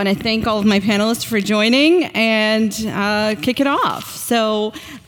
I want to thank all of my panelists for joining, kick it off.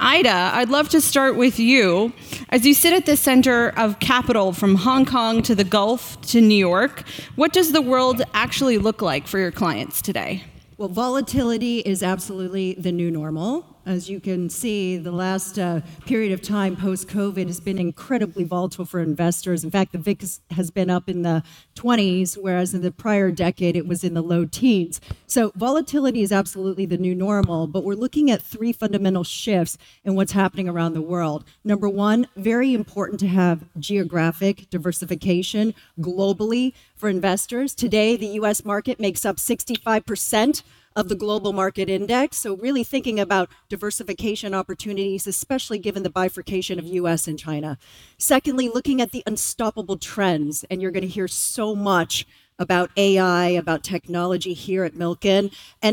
Ida, I would love to start with you. As you sit at the center of capital from Hong Kong to the Gulf to New York, what does the world actually look like for your clients today? Volatility is absolutely the new normal. As you can see, the last period of time post-COVID has been incredibly volatile for investors. In fact, the VIX has been up in the 20s, whereas in the prior decade it was in the low teens. Volatility is absolutely the new normal, but we're looking at three fundamental shifts in what's happening around the world. Number one, very important to have geographic diversification globally for investors. Today, the U.S. market makes up 65% of the global market index, so really thinking about diversification opportunities, especially given the bifurcation of U.S. and China. Seondly looking at the unstoppable trends, you're gonna hear so much about AI, about technology here at Milken.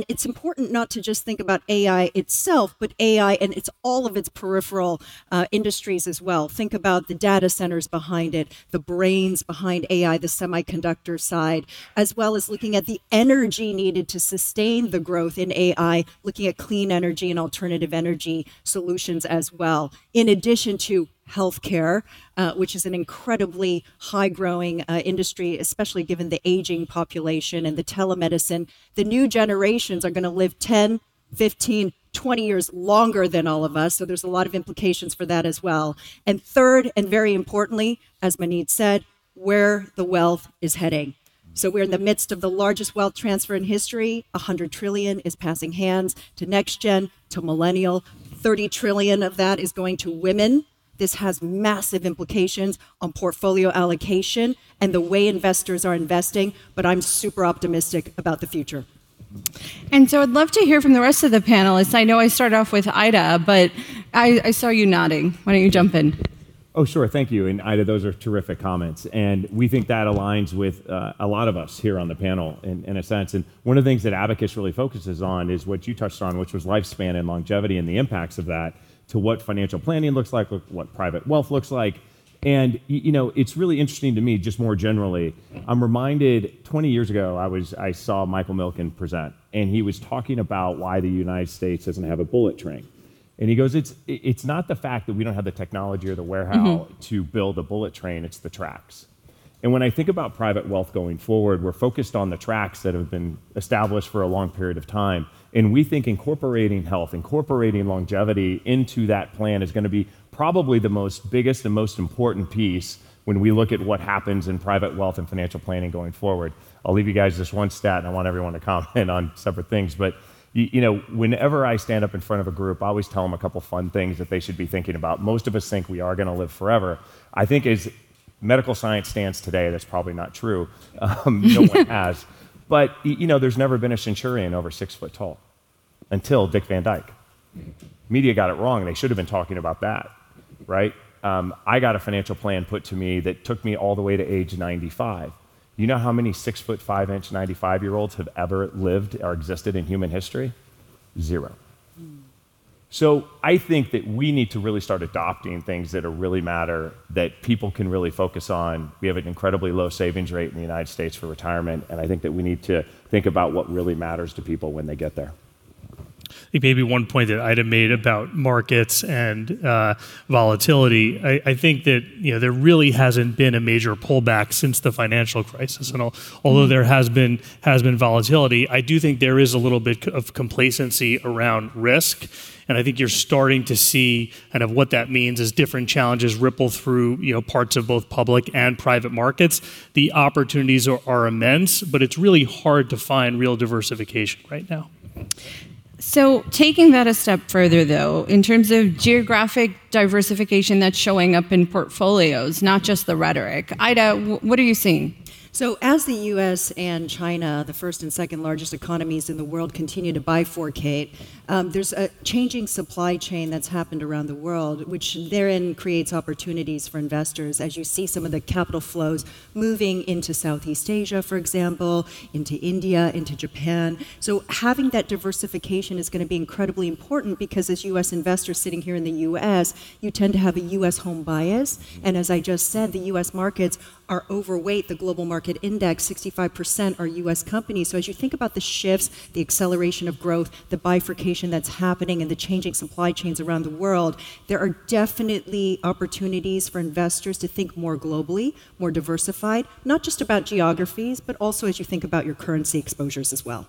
It's important not to just think about AI itself, but AI and its, all of its peripheral industries as well. Think about the data centers behind it, the brains behind AI, the semiconductor side, as well as looking at the energy needed to sustain the growth in AI, looking at clean energy and alternative energy solutions as well. In addition to healthcare, which is an incredibly high-growing industry, especially given the aging population and the telemedicine. The new generations are gonna live 10, 15, 20 years longer than all of us, so there's a lot of implications for that as well. Third, and very importantly, as Maneet said, where the wealth is heading. We're in the midst of the largest wealth transfer in history. $100 trillion is passing hands to next gen, to millennial. $30 trillion of that is going to women. This has massive implications on portfolio allocation and the way investors are investing, but I'm super optimistic about the future. I'd love to hear from the rest of the panelists. I know I started off with Ida, but I saw you nodding. Why don't you jump in? Oh, sure. Thank you. Ida, those are terrific comments, and we think that aligns with a lot of us here on the panel in a sense. One of the things that Abacus really focuses on is what you touched on, which was lifespan and longevity and the impacts of that to what financial planning looks like, what private wealth looks like. You know, it's really interesting to me just more generally, I'm reminded 20 years ago I saw Michael Milken present, and he was talking about why the United States doesn't have a bullet train. He goes, "It's, it's not the fact that we don't have the technology or the wherehow- Mm-hmm.... to build a bullet train. It's the tracks. When I think about private wealth going forward, we're focused on the tracks that have been established for a long period of time, and we think incorporating health, incorporating longevity into that plan is going to be probably the most biggest and most important piece when we look at what happens in private wealth and financial planning going forward. I'll leave you guys with this one stat, and I want everyone to comment on separate things. You know, whenever I stand up in front of a group, I always tell them a couple fun things that they should be thinking about. Most of us think we are gonna live forever. I think as medical science stands today, that's probably not true. No one has. You know, there's never been a centenarian over 6 ft tall until Dick Van Dyke. Media got it wrong, and they should've been talking about that, right? I got a financial plan put to me that took me all the way to age 95. You know how many 6 ft 5 in 95-year-olds have ever lived or existed in human history? Zero. I think that we need to really start adopting things that are really matter that people can really focus on. We have an incredibly low savings rate in the U.S. for retirement, and I think that we need to think about what really matters to people when they get there. I think maybe one point that Ida made about markets and volatility, I think that, you know, there really hasn't been a major pullback since the financial crisis at all. Mm. Although there has been volatility, I do think there is a little bit of complacency around risk, and I think you're starting to see kind of what that means as different challenges ripple through, you know, parts of both public and private markets. The opportunities are immense, but it's really hard to find real diversification right now. Taking that a step further though, in terms of geographic diversification that's showing up in portfolios, not just the rhetoric, Ida, what are you seeing? As the U.S. and China, the first and second largest economies in the world, continue to bifurcate, there's a changing supply chain that's happened around the world, which therein creates opportunities for investors as you see some of the capital flows moving into Southeast Asia, for example, into India, into Japan. Having that diversification is gonna be incredibly important because as U.S. investors sitting here in the U.S., you tend to have a U.S. home bias. As I just said, the U.S. markets are overweight the global market index, 65% are U.S. companies. As you think about the shifts, the acceleration of growth, the bifurcation that's happening, and the changing supply chains around the world, there are definitely opportunities for investors to think more globally, more diversified, not just about geographies, but also as you think about your currency exposures as well.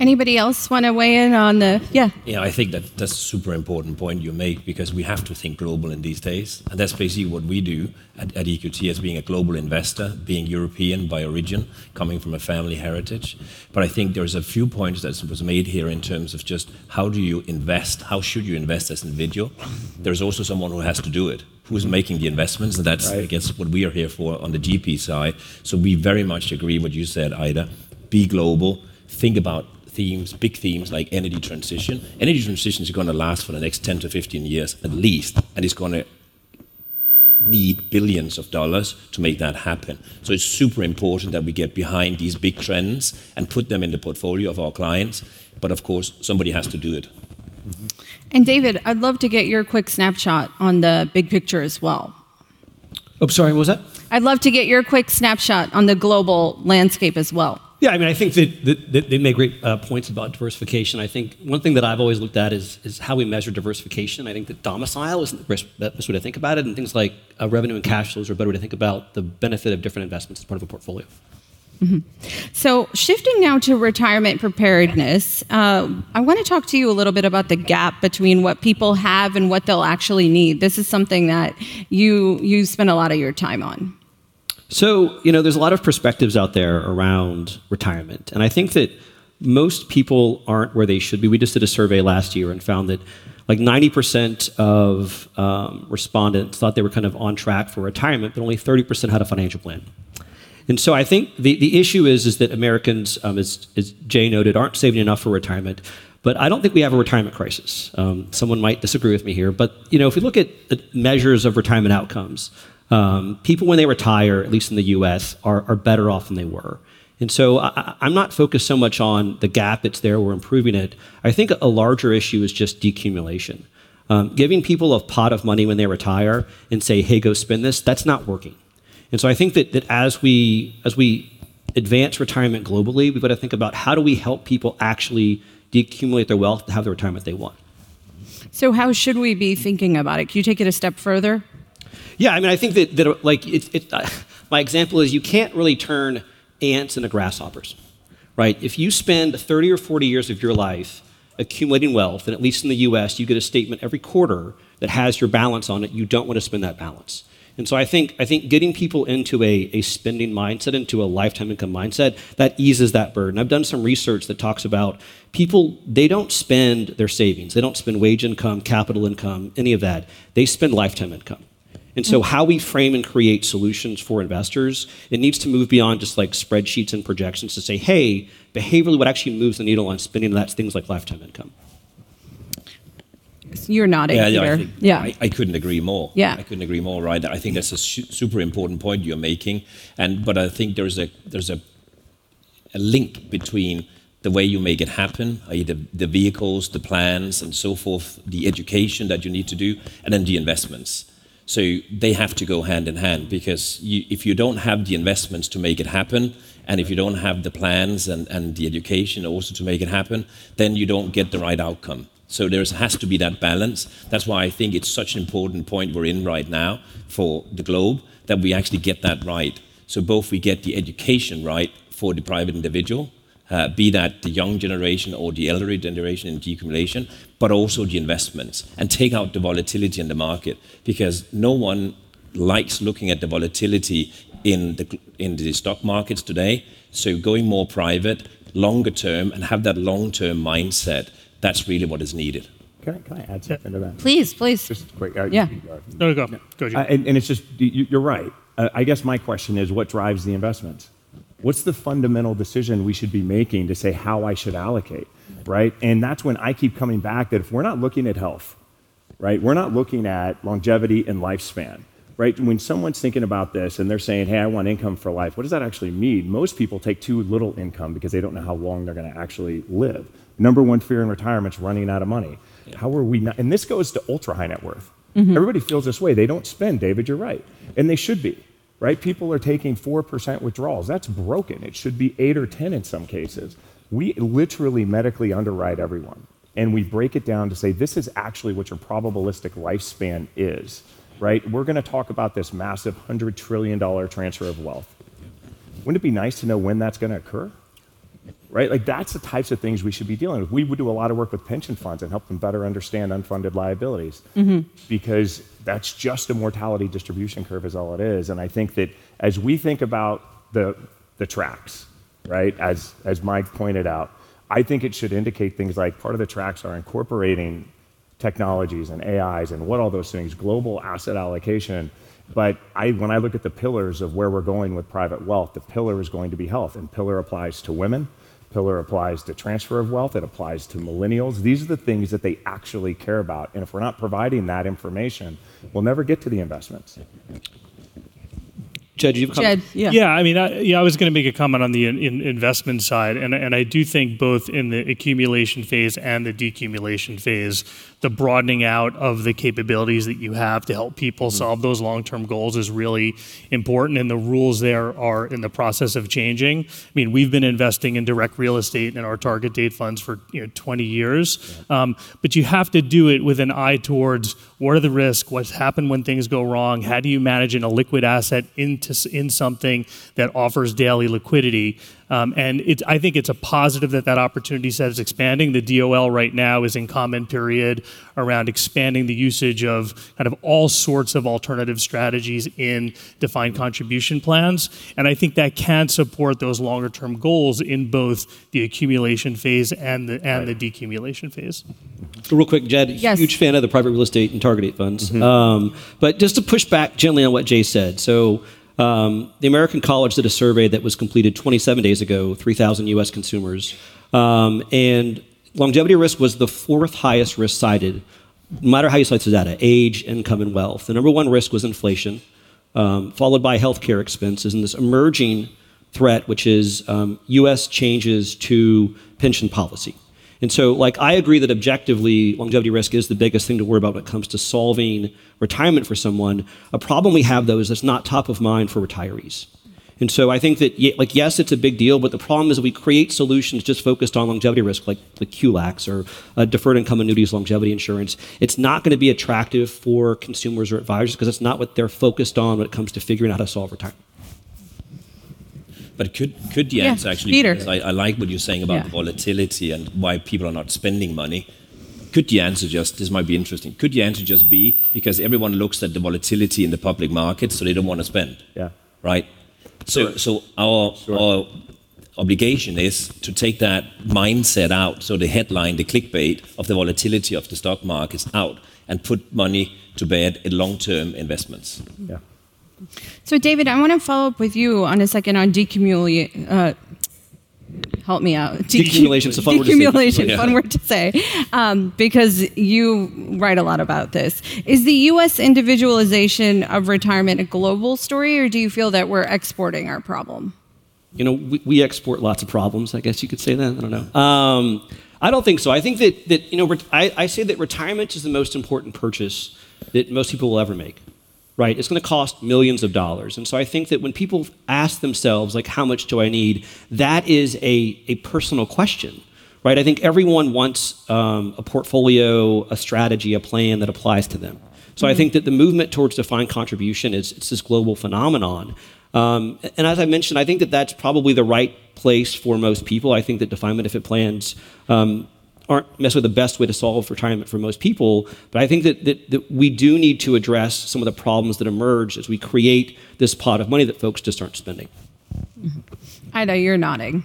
Anybody else wanna weigh in on the? Yeah. Yeah, I think that's a super important point you make because we have to think global in these days, and that's basically what we do at EQT as being a global investor, being European by origin, coming from a family heritage. I think there's a few points that's was made here in terms of just how do you invest, how should you invest as an individual. There's also someone who has to do it, who is making the investments- Right.... and that's I guess what we are here for on the GP side. We very much agree what you said, Ida. Be global. Think about themes, big themes like energy transition. Energy transition's going to last for the next 10-15 years at least, and it's going to need billions of dollars to make that happen. It's super important that we get behind these big trends and put them in the portfolio of our clients, but of course somebody has to do it. Mm-hmm. David, I'd love to get your quick snapshot on the big picture as well. Oh, sorry, what was that? I'd love to get your quick snapshot on the global landscape as well. Yeah, I mean, I think that they make great points about diversification. I think one thing that I've always looked at is how we measure diversification. I think that domicile isn't the best way to think about it, and things like revenue and cash flows are better way to think about the benefit of different investments as part of a portfolio. Shifting now to retirement preparedness, I wanna talk to you a little bit about the gap between what people have and what they'll actually need. This is something that you spend a lot of your time on. You know, there's a lot of perspectives out there around retirement, and I think that most people aren't where they should be. We just did a survey last year and found that, like, 90% of respondents thought they were kind of on track for retirement, but only 30% had a financial plan. I think the issue is that Americans, as Jay noted, aren't saving enough for retirement. I don't think we have a retirement crisis. Someone might disagree with me here. You know, if you look at the measures of retirement outcomes, people when they retire, at least in the U.S., are better off than they were. I'm not focused so much on the gap that's there or improving it. I think a larger issue is just decumulation. Giving people a pot of money when they retire and say, "Hey, go spend this," that's not working. I think that as we advance retirement globally, we've got to think about how do we help people actually decumulate their wealth to have the retirement they want. How should we be thinking about it? Can you take it a step further? I mean, I think that my example is you can't really turn ants into grasshoppers, right? If you spend 30 or 40 years of your life accumulating wealth, and at least in the U.S. you get a statement every quarter that has your balance on it, you don't wanna spend that balance. I think getting people into a spending mindset, into a lifetime income mindset, that eases that burden. I've done some research that talks about people, they don't spend their savings. They don't spend wage income, capital income, any of that. They spend lifetime income. Mm. How we frame and create solutions for investors, it needs to move beyond just, like, spreadsheets and projections to say, "Hey, behaviorally what actually moves the needle on spending, that's things like lifetime income. You're nodding, Peter. Yeah, yeah. Yeah. I couldn't agree more. Yeah. I couldn't agree more, Ryder. I think that's a super important point you're making. But I think there's a link between the way you make it happen, i.e., the vehicles, the plans, and so forth, the education that you need to do, then the investments. They have to go hand in hand because if you don't have the investments to make it happen, and if you don't have the plans and the education also to make it happen, you don't get the right outcome. There's has to be that balance. That's why I think it's such an important point we're in right now for the globe that we actually get that right, so both we get the education right for the private individual, be that the young generation or the elderly generation in decumulation, but also the investments, take out the volatility in the market. No one likes looking at the volatility in the stock markets today. Going more private, longer term, and have that long-term mindset, that's really what is needed. Can I add something to that? Yeah. Please, please. Just quick. Yeah. You go. No, go. Go ahead. It's just you're right. I guess my question is what drives the investment? What's the fundamental decision we should be making to say how I should allocate, right? That's when I keep coming back that if we're not looking at health, right, we're not looking at longevity and lifespan, right? When someone's thinking about this and they're saying, "Hey, I want income for life," what does that actually mean? Most people take too little income because they don't know how long they're gonna actually live. Number one fear in retirement is running out of money. Yeah. How are we not. This goes to ultra-high net worth. Mm-hmm. Everybody feels this way. They don't spend, David, you're right, and they should be. Right? People are taking 4% withdrawals. That's broken. It should be eight or 10 in some cases. We literally medically underwrite everyone, and we break it down to say, "This is actually what your probabilistic lifespan is," right? We're gonna talk about this massive $100 trillion transfer of wealth. Wouldn't it be nice to know when that's gonna occur? Right? Like, that's the types of things we should be dealing with. We would do a lot of work with pension funds and help them better understand unfunded liabilities- Mm-hmm.... because that's just a mortality distribution curve is all it is. I think that as we think about the tracks, right, as Mike pointed out, I think it should indicate things like part of the tracks are incorporating technologies and AIs and what all those things, global asset allocation. When I look at the pillars of where we're going with private wealth, the pillar is going to be health, and pillar applies to women, pillar applies to transfer of wealth, it applies to millennials. These are the things that they actually care about, and if we're not providing that information, we'll never get to the investments. Jed, do you have a comment? Jed, yeah. Yeah, I mean, I was gonna make a comment on the investment side. I do think both in the accumulation phase and the decumulation phase, the broadening out of the capabilities that you have to help people solve those long-term goals is really important, and the rules there are in the process of changing. I mean, we've been investing in direct real estate in our target date funds for, you know, 20 years. Yeah. You have to do it with an eye towards what are the risks, what's happened when things go wrong, how do you manage an illiquid asset into something that offers daily liquidity. It's, I think it's a positive that that opportunity set is expanding. The DOL right now is in comment period around expanding the usage of kind of all sorts of alternative strategies in defined contribution plans, and I think that can support those longer term goals in both the accumulation phase and the- Right.... and the decumulation phase. Real quick, Jed. Yes. Huge fan of the private real estate and target date funds. Mm-hmm. Just to push back gently on what Jay said. The American College did a survey that was completed 27 days ago, 3,000 U.S. consumers. Longevity risk was the fourth highest risk cited, no matter how you slice the data: age, income, and wealth. The number one risk was inflation, followed by healthcare expenses, and this emerging threat, which is U.S. changes to pension policy. Like, I agree that objectively longevity risk is the biggest thing to worry about when it comes to solving retirement for someone. A problem we have though is it's not top of mind for retirees. I think that like, yes, it's a big deal, but the problem is we create solutions just focused on longevity risk, like the QLACs or deferred income annuities, longevity insurance. It's not going to be attractive for consumers or advisors because it's not what they're focused on when it comes to figuring out how to solve retirement. But could the answer actually- Yeah, Peter. I like what you're saying- Yeah. ...volatility and why people are not spending money. Could the answer just, this might be interesting, could the answer just be because everyone looks at the volatility in the public market, so they don't wanna spend? Yeah. Right- Sure.... our obligation is to take that mindset out, so the headline, the clickbait of the volatility of the stock market is out, and put money to bed in long-term investments. Yeah. David, I wanna follow up with you on a second. Help me out- Decumulation. It's a fun word to say. ...cumulation. Fun word to say. Yeah. You write a lot about this. Is the U.S. individualization of retirement a global story, or do you feel that we're exporting our problem? You know, we export lots of problems, I guess you could say that. I don't know. I don't think so. I think that, you know, I say that retirement is the most important purchase that most people will ever make, right? It's gonna cost millions of dollars. I think that when people ask themselves, like, "How much do I need?" That is a personal question, right? I think everyone wants a portfolio, a strategy, a plan that applies to them. Mm-hmm. I think that the movement towards defined contribution is, it's this global phenomenon. As I mentioned, I think that that's probably the right place for most people. I think that defined benefit plans aren't necessarily the best way to solve retirement for most people. I think that we do need to address some of the problems that emerge as we create this pot of money that folks just aren't spending. Ida, you're nodding.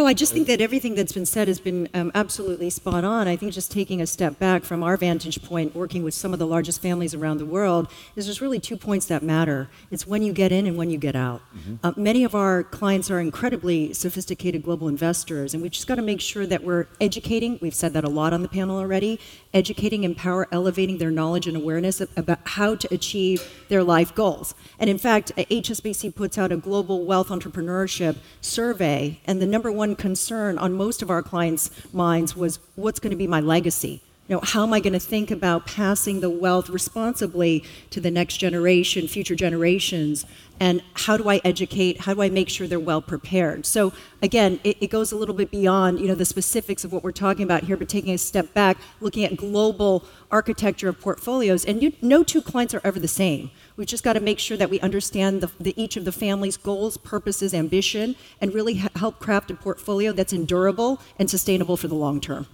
I just think that everything that's been said has been absolutely spot on. I think just taking a step back from our vantage point, working with some of the largest families around the world, is there's really two points that matter. It's when you get in and when you get out. Mm-hmm. Many of our clients are incredibly sophisticated global investors, and we've just gotta make sure that we're educating, we've said that a lot on the panel already, educating, empower, elevating their knowledge and awareness about how to achieve their life goals. In fact, HSBC puts out a Global Wealth Entrepreneurship Survey, and the number one concern on most of our clients' minds was, "What's gonna be my legacy?" You know, "How am I gonna think about passing the wealth responsibly to the next generation, future generations, and how do I educate, how do I make sure they're well prepared?" Again, it goes a little bit beyond, you know, the specifics of what we're talking about here, but taking a step back, looking at global architecture of portfolios. You, no two clients are ever the same. We've just gotta make sure that we understand the each of the family's goals, purposes, ambition, and really help craft a portfolio that's endurable and sustainable for the long term.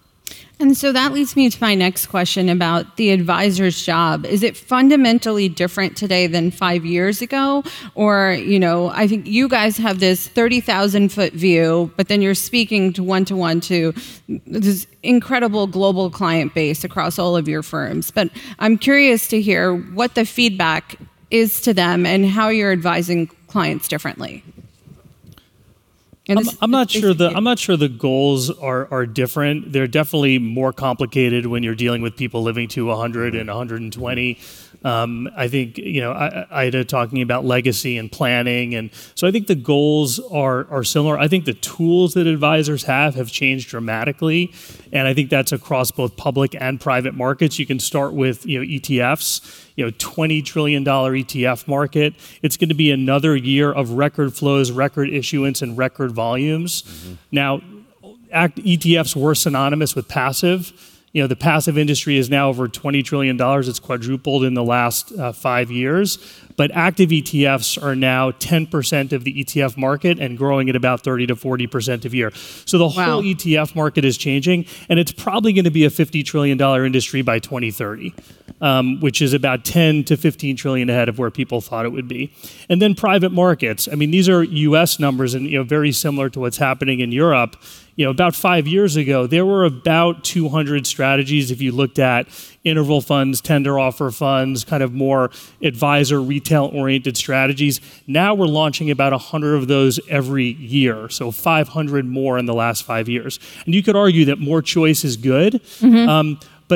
That leads me to my next question about the advisor's job. Is it fundamentally different today than five years ago? You know, I think you guys have this 30,000 ft view, but then you're speaking to one-to-one to this incredible global client base across all of your firms. I'm curious to hear what the feedback is to them and how you're advising clients differently. I'm not sure the goals are different. They're definitely more complicated when you're dealing with people living to 100 and 120. Mm-hmm. I think, you know, Ida talking about legacy and planning, I think the goals are similar. I think the tools that advisors have changed dramatically. I think that's across both public and private markets. You can start with, you know, ETFs. You know, $20 trillion ETF market. It's gonna be another year of record flows, record issuance, and record volumes. Mm-hmm. ETFs were synonymous with passive. You know, the passive industry is now over $20 trillion. It's quadrupled in the last five years. Active ETFs are now 10% of the ETF market and growing at about 30%-40% a year. Wow. ETF market is changing, and it's probably gonna be a $50 trillion industry by 2030, which is about $10 trillion-$15 trillion ahead of where people thought it would be. And then private markets, I mean, these are U.S. numbers and, you know, very similar to what's happening in Europe. You know, about five years ago there were about 200 strategies if you looked at interval funds, tender offer funds, kind of more advisor, retail-oriented strategies. Now we're launching about 100 of those every year, so 500 more in the last five years. You could argue that more choice is good.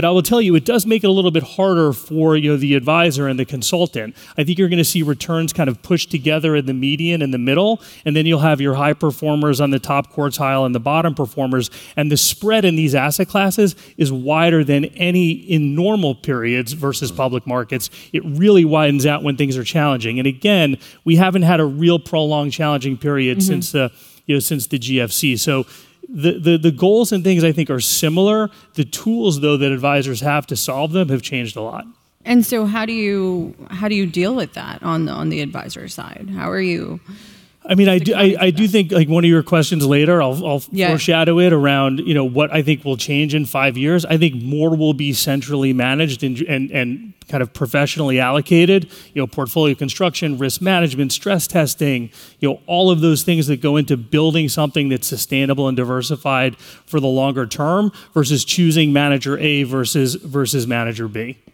Mm-hmm. I will tell you, it does make it a little bit harder for, you know, the advisor and the consultant. I think you're gonna see returns kind of pushed together in the median in the middle, and then you'll have your high performers on the top quartile and the bottom performers. The spread in these asset classes is wider than any in normal periods versus public markets. Mm. It really widens out when things are challenging. Again, we haven't had a real prolonged challenging period- Mm-hmm.... since, you know, since the GFC. The goals and things I think are similar. The tools though that advisors have to solve them have changed a lot. How do you deal with that on the advisor side? How are you- I mean.... dealing with that? I do think, like one of your questions later, I'll- Yeah... foreshadow it, around, you know, what I think will change in five years. I think more will be centrally managed and kind of professionally allocated, you know, portfolio construction, risk management, stress testing, you know, all of those things that go into building something that's sustainable and diversified for the longer term, versus choosing manager A versus manager B. So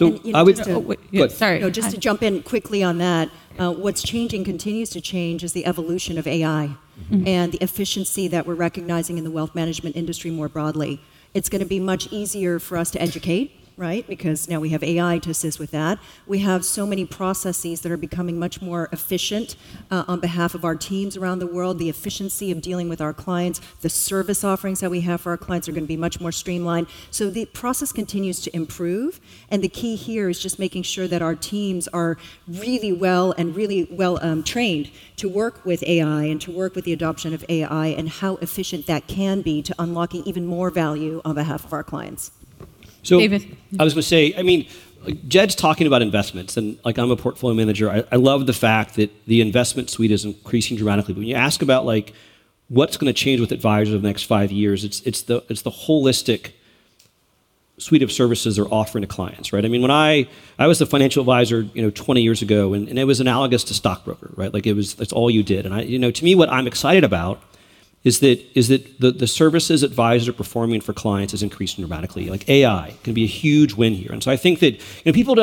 I would- And, you know, just to- Go ahead. Sorry. No, just to jump in quickly on that, what's changing, continues to change, is the evolution of AI. Mm-hmm. The efficiency that we're recognizing in the wealth management industry more broadly. It's going to be much easier for us to educate, right. Now we have AI to assist with that. We have so many processes that are becoming much more efficient on behalf of our teams around the world, the efficiency of dealing with our clients, the service offerings that we have for our clients are going to be much more streamlined. The process continues to improve, and the key here is just making sure that our teams are really well trained to work with AI and to work with the adoption of AI and how efficient that can be to unlocking even more value on behalf of our clients. So- David. I was gonna say, I mean, Jed's talking about investments, and, like, I'm a portfolio manager. I love the fact that the investment suite is increasing dramatically, but when you ask about, like, what's gonna change with advisors over the next five years, it's the, it's the holistic suite of services they're offering to clients, right? I mean, when I was a Financial Advisor, you know, 20 years ago, and it was analogous to stockbroker, right? Like, it was, that's all you did. You know, to me, what I'm excited about is that, is that the services advisors are performing for clients has increased dramatically. Like, AI can be a huge win here. I think that, you know, people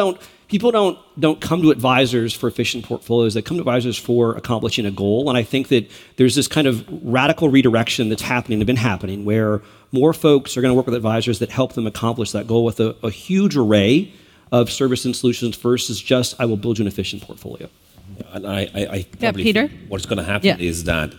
don't come to advisors for efficient portfolios. They come to advisors for accomplishing a goal. I think that there's this kind of radical redirection that's happening, that's been happening, where more folks are gonna work with advisors that help them accomplish that goal with a huge array of service and solutions versus just I will build you an efficient portfolio. Yeah. I. Yeah, Peter.... what's gonna happen- Yeah. ...is that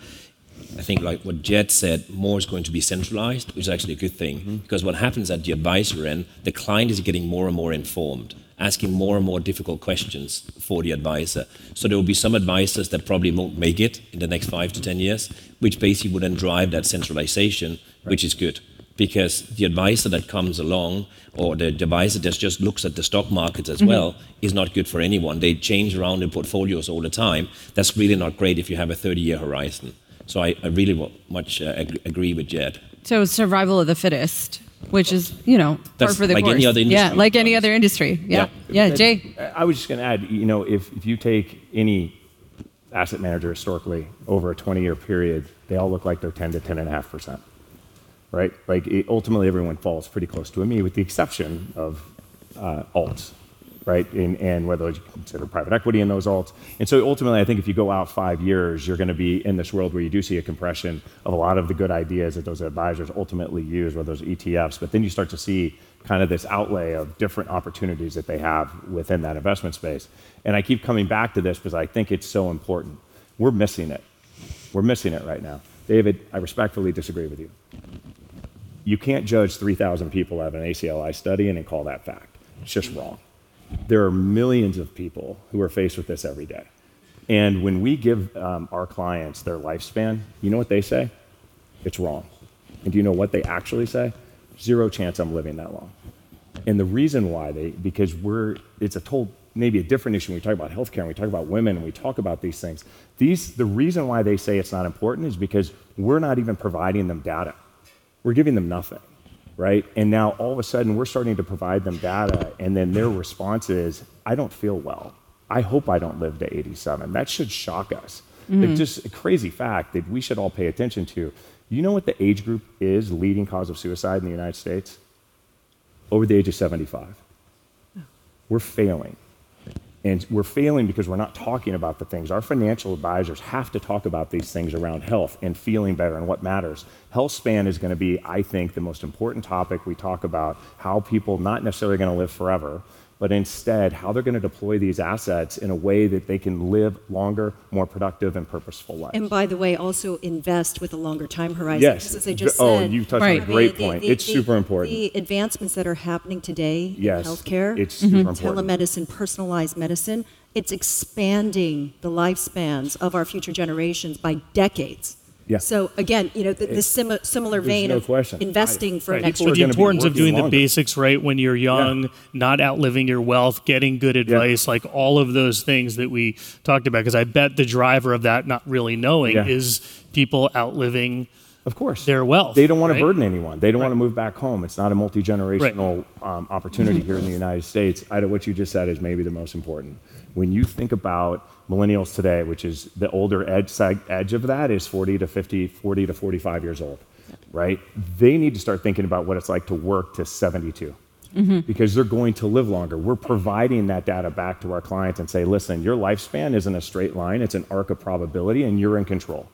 I think, like what Jed said, more is going to be centralized, which is actually a good thing. Mm. What happens at the advisor end, the client is getting more and more informed, asking more and more difficult questions for the advisor. There will be some advisors that probably won't make it in the next five to 10 years, which basically will then drive that centralization- Right. ....which is good, because the advisor that comes along, or the advisor that just looks at the stock market as well- Mm-hmm.... is not good for anyone. They change around their portfolios all the time. That's really not great if you have a 30-year horizon. I really much agree with Jed. Survival of the fittest- Of course.... which is, you know, par for the course. That's like any other industry. Yeah, like any other industry. Yeah. Yeah. Yeah, Jay. I was just gonna add, you know, if you take any asset manager historically, over a 20-year period, they all look like they're 10%-10.5%, right? Like, ultimately, everyone falls pretty close to a mean, with the exception of alts, right? Whether you consider private equity in those alts. Ultimately, I think if you go out five years, you're gonna be in this world where you do see a compression of a lot of the good ideas that those advisors ultimately use with those ETFs. You start to see kind of this outlay of different opportunities that they have within that investment space. I keep coming back to this because I think it's so important. We're missing it. We're missing it right now. David, I respectfully disagree with you. You can't judge 3,000 people who have an ACLI study and then call that fact. It's just wrong. There are millions of people who are faced with this every day, and when we give our clients their lifespan, you know what they say? It's wrong. Do you know what they actually say? Zero chance I'm living that long. It's a total, maybe a different issue when we talk about healthcare and we talk about women and we talk about these things. The reason why they say it's not important is because we're not even providing them data. We're giving them nothing, right? Now, all of a sudden, we're starting to provide them data, and then their response is, "I don't feel well. I hope I don't live to 87." That should shock us. Mm. It's just a crazy fact that we should all pay attention to. You know what the age group is, leading cause of suicide in the U.S.? Over the age of 75. Oh. We're failing, we're failing because we're not talking about the things. Our financial advisors have to talk about these things around health and feeling better and what matters. Healthspan is gonna be, I think, the most important topic we talk about, how people not necessarily are gonna live forever, but instead how they're gonna deploy these assets in a way that they can live longer, more productive, and purposeful lives. By the way, also invest with a longer time horizon- Yes.... because as I just said. Oh, you've touched on- Right-... a great point. It's super important.... the advancements that are happening today- Yes. ...in healthcare- It's super important.... telemedicine, personalized medicine, it's expanding the lifespans of our future generations by decades. Yeah. Again, you know, the similar vein- There's no question. ...investing for next generation. Right. People are gonna be working longer The importance of doing the basics right when you're young- Yeah. ...not outliving your wealth, getting good advice- Yeah.... like, all of those things that we talked about. 'Cause I bet the driver of that not really knowing- Yeah. ...is people outliving- Of course. ...their wealth, right? They don't wanna burden anyone. Right. They don't wanna move back home. It's not a multi-generational- Right. ...opportunity here in the U.S. Ida, what you just said is maybe the most important. When you think about millennials today, which is the older edge of that is 40-50, 40-45 years old. Yeah. Right? They need to start thinking about what it's like to work to 72. Mm-hmm. They're going to live longer. We're providing that data back to our clients and say, "Listen, your lifespan isn't a straight line. It's an arc of probability, and you're in control."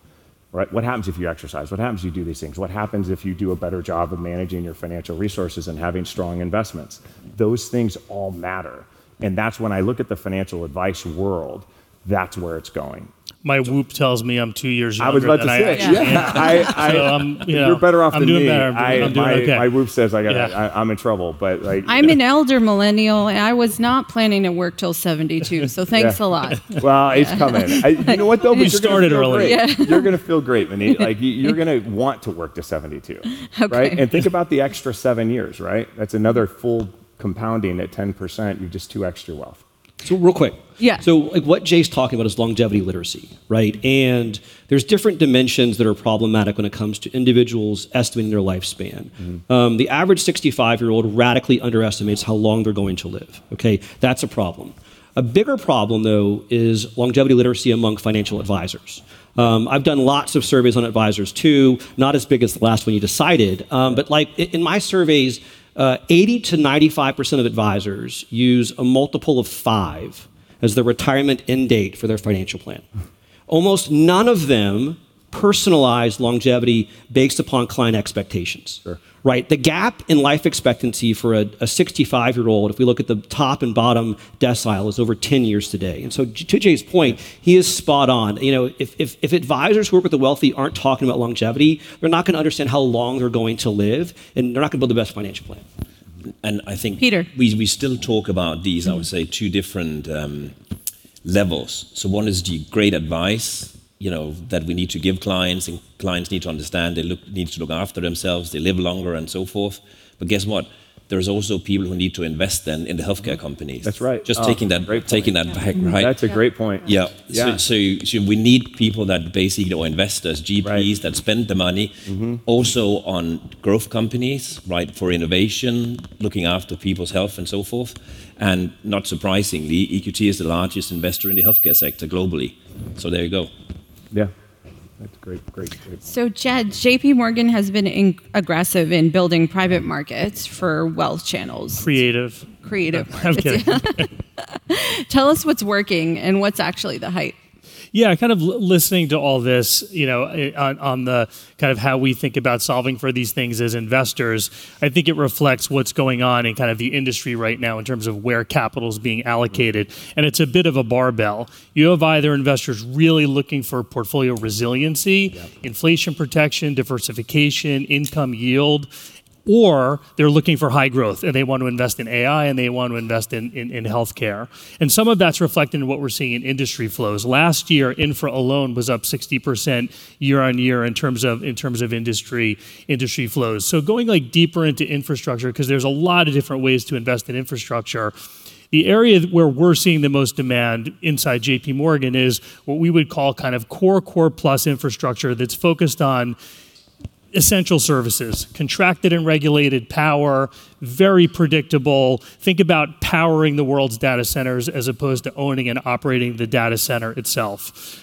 Right? What happens if you exercise? What happens if you do these things? What happens if you do a better job of managing your financial resources and having strong investments? Those things all matter, and that's when I look at the financial advice world, that's where it's going. My WHOOP tells me I'm two years younger- I was about to say. ...than I actually am. Yeah. I- I'm, you know. You're better off than me. I'm doing better, I'm doing okay. My WHOOP says- Yeah.... I'm in trouble. I'm an elder millennial, I was not planning to work till 72. Thanks a lot. Well, age coming. You know what, though? We started early. Yeah. You're gonna feel great, Maneet. Like, you're gonna want to work to 72. Okay. Right? Think about the extra seven years, right? That's another full compounding at 10%. You've just two extra wealth. Real quick. Yeah. Like, what Jay's talking about is longevity literacy, right? There's different dimensions that are problematic when it comes to individuals estimating their lifespan. Mm. The average 65-year-old radically underestimates how long they're going to live, okay? That's a problem. A bigger problem, though, is longevity literacy among financial advisors. I've done lots of surveys on advisors too, not as big as the last one you decided. Like, in my surveys, 80%-95% of advisors use a multiple of five as their retirement end date for their financial plan. Mm. Almost none of them personalize longevity based upon client expectations. Sure. Right? The gap in life expectancy for a 65-year-old, if we look at the top and bottom decile, is over 10 years today. To Jay's point, he is spot on. You know, if advisors who work with the wealthy aren't talking about longevity, they're not gonna understand how long they're going to live, and they're not gonna build the best financial plan. And I think- Peter. ...we still talk about these. Mm-hmm. I would say two different levels. 1 is the great advice, you know, that we need to give clients, and clients need to understand. They need to look after themselves, they live longer and so forth. Guess what? There's also people who need to invest then in the healthcare companies. That's right. Oh, great point. Just taking that back, right? That's a great point. Yeah. Yeah. Yeah. We need people that basically, or investors- Right. ....GPs that spend the money- Mm-hmm. ...also on growth companies, right? For innovation, looking after people's health and so forth. Not surprisingly, EQT is the largest investor in the healthcare sector globally. There you go. Yeah. That's great. Great, great. Jed, JPMorgan has been aggressive in building private markets for wealth channels. Creative. Creative markets. I'm kidding. Tell us what's working and what's actually the hype. Kind of listening to all this, you know, on the kind of how we think about solving for these things as investors, I think it reflects what's going on in kind of the industry right now in terms of where capital's being allocated. Mm. It's a bit of a barbell. You have either investors really looking for portfolio resiliency. Yeah. inflation protection, diversification, income yield, or they're looking for high growth, they want to invest in AI, and they want to invest in healthcare. Some of that's reflected in what we're seeing in industry flows. Last year, infra alone was up 60% year-on-year in terms of industry flows. Going, like, deeper into infrastructure, 'cause there's a lot of different ways to invest in infrastructure, the area where we're seeing the most demand inside JPMorgan is what we would call kind of core plus infrastructure that's focused on essential services, contracted and regulated power, very predictable. Think about powering the world's data centers as opposed to owning and operating the data center itself.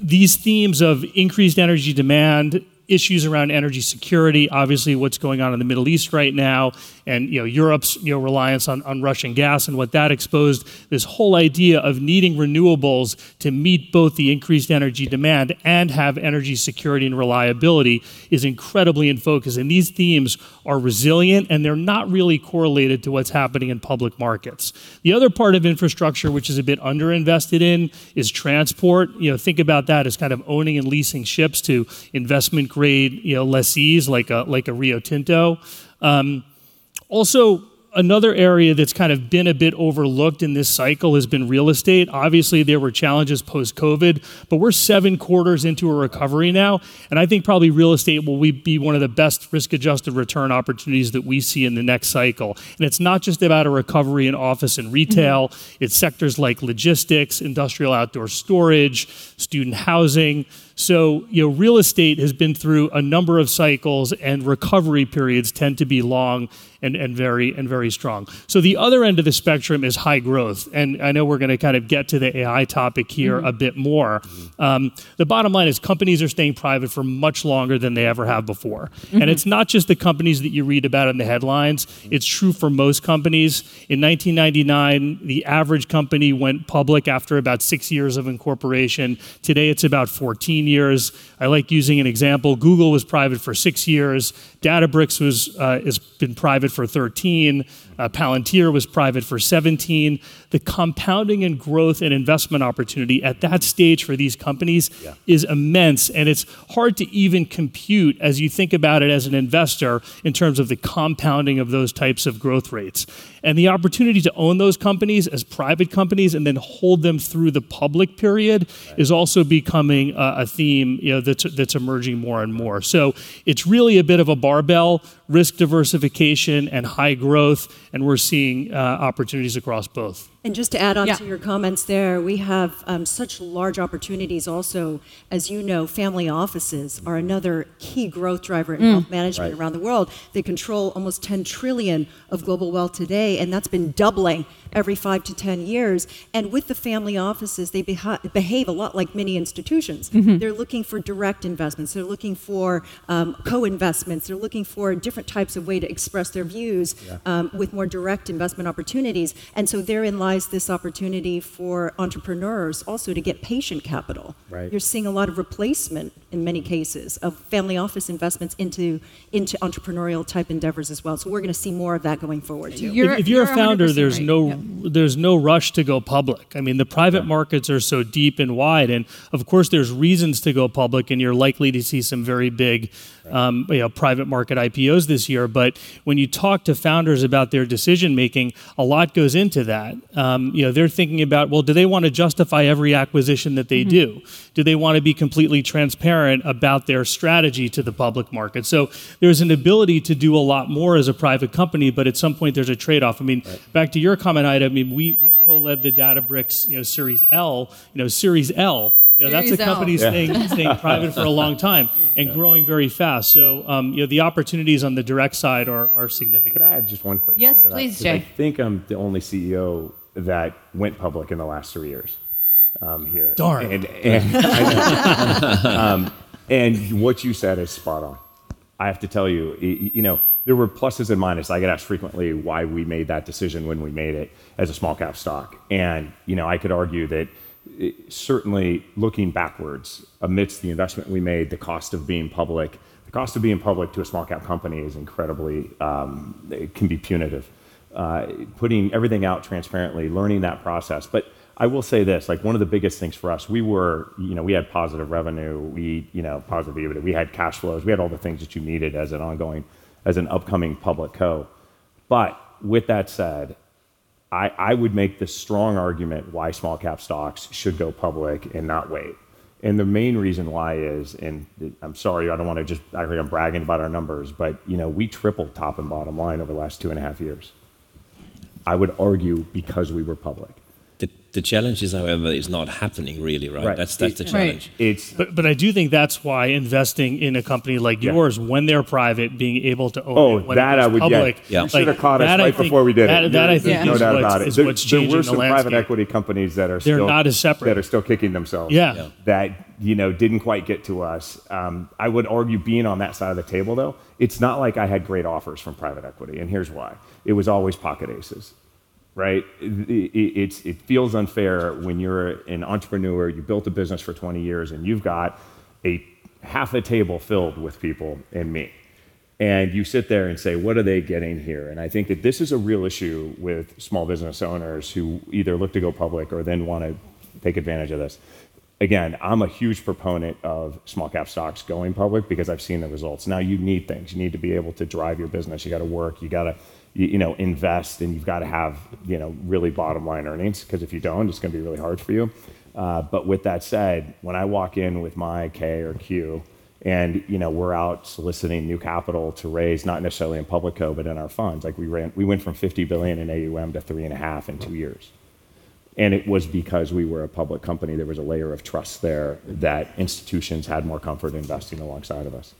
These themes of increased energy demand, issues around energy security, obviously what's going on in the Middle East right now, and, you know, Europe's, you know, reliance on Russian gas and what that exposed, this whole idea of needing renewables to meet both the increased energy demand and have energy security and reliability is incredibly in focus. These themes are resilient, and they're not really correlated to what's happening in public markets. The other part of infrastructure which is a bit under-invested in is transport. You know, think about that as kind of owning and leasing ships to investment grade, you know, lessees like a, like a Rio Tinto. Also another area that's kind of been a bit overlooked in this cycle has been real estate. Obviously, there were challenges post-COVID, but we're seven quarters into a recovery now, and I think probably real estate will be one of the best risk-adjusted return opportunities that we see in the next cycle. It's not just about a recovery in office and retail. Mm-hmm. It's sectors like logistics, industrial outdoor storage, student housing. You know, real estate has been through a number of cycles, and recovery periods tend to be long and very strong. The other end of the spectrum is high growth, and I know we're gonna kind of get to the AI topic here- Mm-hmm. ...a bit more. The bottom line is companies are staying private for much longer than they ever have before. Mm-hmm. It's not just the companies that you read about in the headlines. It's true for most companies. In 1999, the average company went public after about six years of incorporation. Today it's about 14 years. I like using an example. Google was private for six years. Databricks has been private for 13. Palantir was private for 17. The compounding and growth and investment opportunity at that stage for these companies- Yeah. ...is immense, and it's hard to even compute as you think about it as an investor in terms of the compounding of those types of growth rates. The opportunity to own those companies as private companies and then hold them through the public period- Right.... is also becoming a theme, you know, that's emerging more and more. It's really a bit of a barbell, risk diversification and high growth, and we're seeing opportunities across both. Just to add on- Yeah.... to your comments there, we have, such large opportunities also. As you know, family offices- Mm. ...are another key growth driver- Mm. ...in wealth management- Right.... around the world. They control almost $10 trillion of global wealth today, and that's been doubling every five to 10 years. With the family offices, they behave a lot like mini institutions. Mm-hmm. They're looking for direct investments. They're looking for co-investments. They're looking for different types of way to express their views- Yeah. ...with more direct investment opportunities. Therein lies this opportunity for entrepreneurs also to get patient capital. Right. You're seeing a lot of replacement in many cases of family office investments into entrepreneurial type endeavors as well. We're gonna see more of that going forward too. If you're a founder- You're 100% right. Yeah. ...there's no rush to go public. I mean, the private markets- Yeah. ...are so deep and wide. Of course, there's reasons to go public, and you're likely to see some very big- Right.... you know, private market IPOs this year. When you talk to founders about their decision-making, a lot goes into that. You know, they're thinking about, well, do they wanna justify every acquisition that they do? Mm-hmm. Do they wanna be completely transparent about their strategy to the public market? There's an ability to do a lot more as a private company, but at some point there's a trade-off. I mean- Right. ...back to your comment, Ida, I mean, we co-led the Databricks, you know, Series L. Series L. You know, that's a company staying private for a long time- Yeah, yeah.... and growing very fast. You know, the opportunities on the direct side are significant. Could I add just one quick comment on that? Yes, please, Jay. 'Cause I think I'm the only CEO that went public in the last three years I'm here Done. What you said is spot on. I have to tell you know, there were pluses and minus. I get asked frequently why we made that decision when we made it as a small-cap stock. You know, I could argue that, certainly looking backwards, amidst the investment we made, the cost of being public, the cost of being public to a small-cap company is incredibly, it can be punitive. Putting everything out transparently, learning that process. I will say this, like, one of the biggest things for us, we were. You know, we had positive revenue. We, you know, positive EBITDA. We had cash flows. We had all the things that you needed as an ongoing, as an upcoming public co. With that said, I would make the strong argument why small-cap stocks should go public and not wait, and the main reason why is, I'm sorry, I don't think I'm bragging about our numbers, but, you know, we tripled top and bottom line over the last two and half years, I would argue because we were public. The challenge is, however, it's not happening really, right? Right. That's the challenge. It- It's- I do think that's why investing in a company- Yeah. ...yours when they're private, being able to own it- Oh, that I would get. ...when it goes public. Yeah. You should have caught us right before we did it-- like, that I think- Yeah. There's no doubt about it. ...that I think is what's changing the landscape. There were some private equity companies that are still- They're not as separate. ...that are still kicking themselves. Yeah. That, you know, didn't quite get to us. I would argue being on that side of the table though, it's not like I had great offers from private equity, here's why. It was always pocket aces, right? It feels unfair when you're an entrepreneur, you built a business for 20 years, and you've got a half a table filled with people and me, and you sit there and say, "What are they getting here?" I think that this is a real issue with small business owners who either look to go public or then wanna take advantage of this. Again, I'm a huge proponent of small-cap stocks going public because I've seen the results. Now, you need things. You need to be able to drive your business. You gotta work, you gotta, you know, invest, and you've gotta have, you know, really bottom-line earnings 'cause if you don't, it's gonna be really hard for you. With that said, when I walk in with my 10-K or 10-Q and, you know, we're out soliciting new capital to raise, not necessarily in public co but in our funds, like we ran. We went from $50 billion in AUM to $3.5 billion in two years, and it was because we were a public company. There was a layer of trust there that institutions had more comfort investing alongside of us.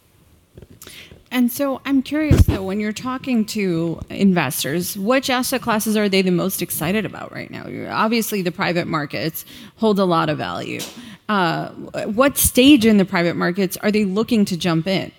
I'm curious though, when you're talking to investors, which asset classes are they the most excited about right now? Obviously, the private markets hold a lot of value. What stage in the private markets are they looking to jump in?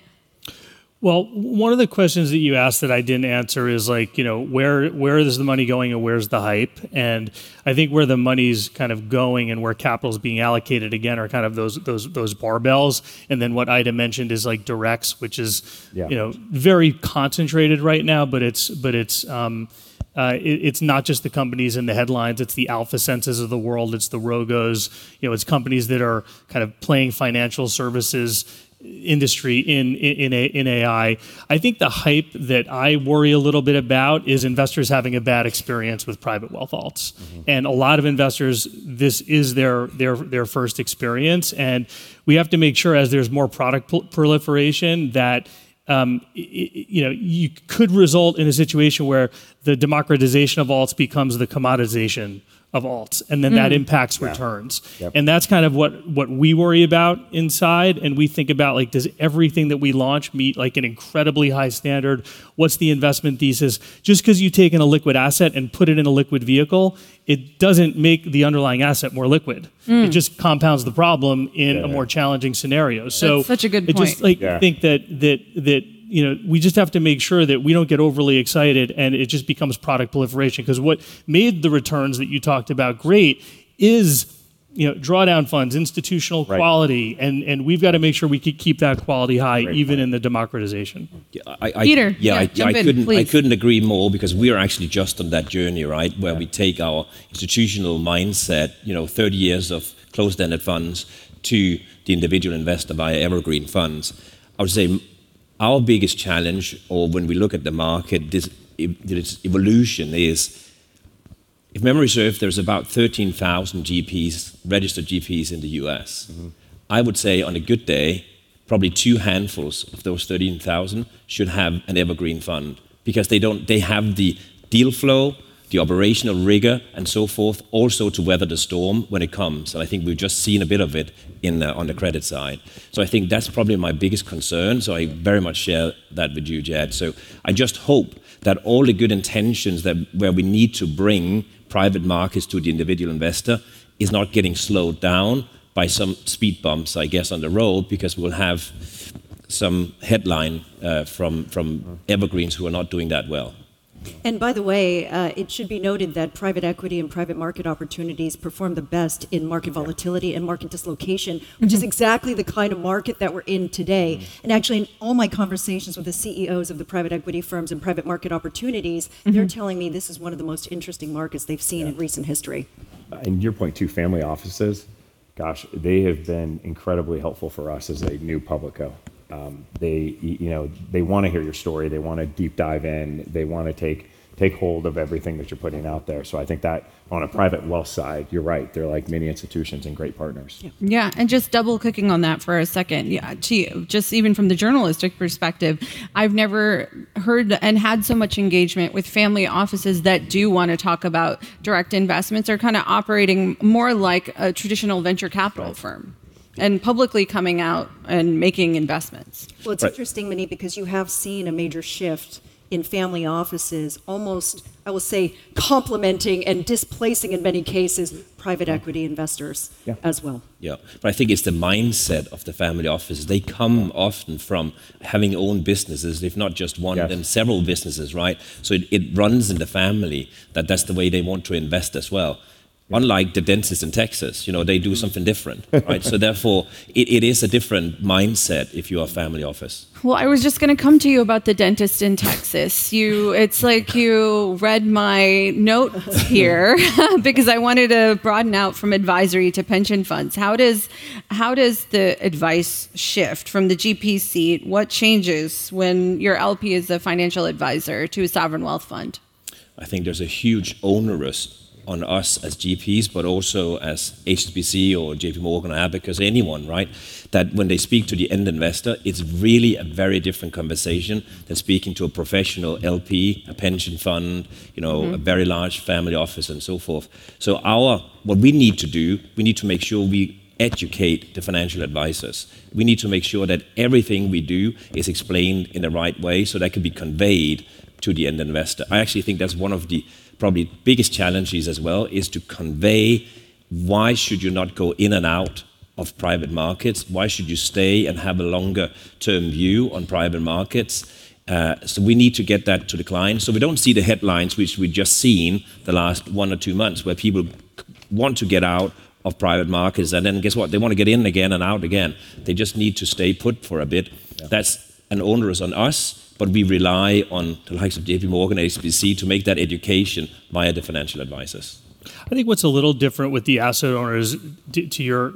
Well, one of the questions that you asked that I didn't answer is, like, you know, where is the money going and where's the hype? I think where the money's kind of going and where capital's being allocated, again, are kind of those barbells, and then what Ida mentioned is, like, directs, which is- Yeah.... you know, very concentrated right now, but it's not just the companies in the headlines. It's the AlphaSense of the world. It's the Rogo. You know, it's companies that are kind of playing financial services industry in AI. I think the hype that I worry a little bit about is investors having a bad experience with private wealth alts. A lot of investors, this is their first experience, and we have to make sure as there's more product proliferation, that, you know, you could result in a situation where the democratization of alts becomes the commoditization of alts. Mm. That impacts returns. Yeah, yep. That's kind of what we worry about inside, we think about, like, does everything that we launch meet, like, an incredibly high standard? What's the investment thesis? Just 'cause you've taken a liquid asset and put it in a liquid vehicle, it doesn't make the underlying asset more liquid. Mm. It just compounds the problem- Yeah, yeah.... in a more challenging scenario. That's such a good point. I just. Yeah. I think that, you know, we just have to make sure that we don't get overly excited and it just becomes product proliferation 'cause what made the returns that you talked about great is, you know, drawdown funds, institutional quality- Right.... and we've gotta make sure we can keep that quality high- Great point.... even in the democratization. Yeah, I. Peter- Yeah, I. Yeah, jump in please. I couldn't agree more because we are actually just on that journey, right? Yeah. Where we take our institutional mindset, you know, 30 years of closed-ended funds, to the individual investor via evergreen funds. I would say our biggest challenge or when we look at the market, this evolution is, if memory serves, there's about 13,000 GPs, registered GPs, in the U.S. Mm-hmm. I would say on a good day, probably two handfuls of those 13,000 should have an evergreen fund because they don't. They have the deal flow, the operational rigor, and so forth also to weather the storm when it comes, and I think we've just seen a bit of it on the credit side. I think that's probably my biggest concern, so I very much share that with you, Jed. I just hope that all the good intentions that, where we need to bring private markets to the individual investor is not getting slowed down by some speed bumps, I guess, on the road because we'll have some headline from- Mm. ...Evergreens who are not doing that well. Yeah. By the way, it should be noted that private equity and private market opportunities perform the best in market volatility- Yeah. ...and market dislocation- Mm.... which is exactly the kind of market that we're in today. Mm. Actually, in all my conversations with the CEOs of the private equity firms and private market opportunities. Mm-hmm. They're telling me this is one of the most interesting markets they've seen- Yeah. ...in recent history. Your point too, family offices, gosh, they have been incredibly helpful for us as a new public co. They, you know, they wanna hear your story. They wanna deep dive in. They wanna take hold of everything that you're putting out there. I think that on a private wealth side, you're right. They're like mini institutions and great partners. Yeah, and just double-clicking on that for a second. Yeah, to, just even from the journalistic perspective, I've never heard and had so much engagement with family offices that do wanna talk about direct investments. They're kinda operating more like a traditional venture capital firm. Publicly coming out and making investments. Well, it's interesting, Maneet, because you have seen a major shift in family offices almost, I will say, complementing and displacing, in many cases, private equity investors- Yeah. ...as well. Yeah. I think it's the mindset of the family offices. They come often from having owned businesses, if not just one of them- Yeah. ...several businesses, right? It runs in the family that that's the way they want to invest as well. Unlike the dentist in Texas, you know, they do something different. Right? Therefore, it is a different mindset if you're a family office. Well, I was just gonna come to you about the dentist in Texas. It's like you read my notes here because I wanted to broaden out from advisory to pension funds. How does the advice shift? From the GP seat, what changes when your LP is a financial advisor to a sovereign wealth fund? I think there's a huge onus on us as GPs, but also as HSBC or JPMorgan, Abacus, anyone, right? That when they speak to the end investor, it's really a very different conversation than speaking to a professional LP, a pension fund- Mm-hmm.... you know, a very large family office and so forth. What we need to do, we need to make sure we educate the financial advisors. We need to make sure that everything we do is explained in the right way so that can be conveyed to the end investor. I actually think that's one of the probably biggest challenges as well, is to convey why should you not go in and out of private markets, why should you stay and have a longer term view on private markets. We need to get that to the client, so we don't see the headlines which we've just seen the last one or two months, where people want to get out of private markets. Guess what? They wanna get in again and out again. They just need to stay put for a bit. Yeah. That's an onus on us, but we rely on the likes of JPMorgan, HSBC, to make that education via the financial advisors. I think what's a little different with the asset owners, to your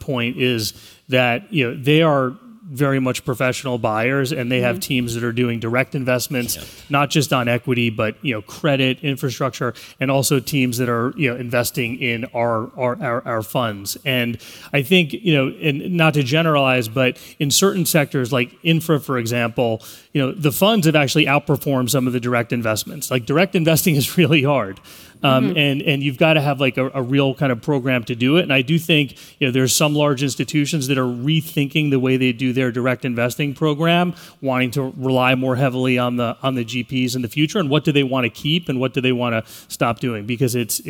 point, is that, you know, they are very much professional buyers- Mm-hmm.... and they have teams that are doing direct investments- Yeah. ...not just on equity, but, you know, credit, infrastructure, and also teams that are, you know, investing in our funds. I think, you know, not to generalize, but in certain sectors like infra, for example, you know, the funds have actually outperformed some of the direct investments. Like, direct investing is really hard. Mm-hmm. You've gotta have, like, a real kinda program to do it. I do think, you know, there are some large institutions that are rethinking the way they do their direct investing program, wanting to rely more heavily on the, on the GPs in the future, and what do they wanna keep and what do they wanna stop doing, because it's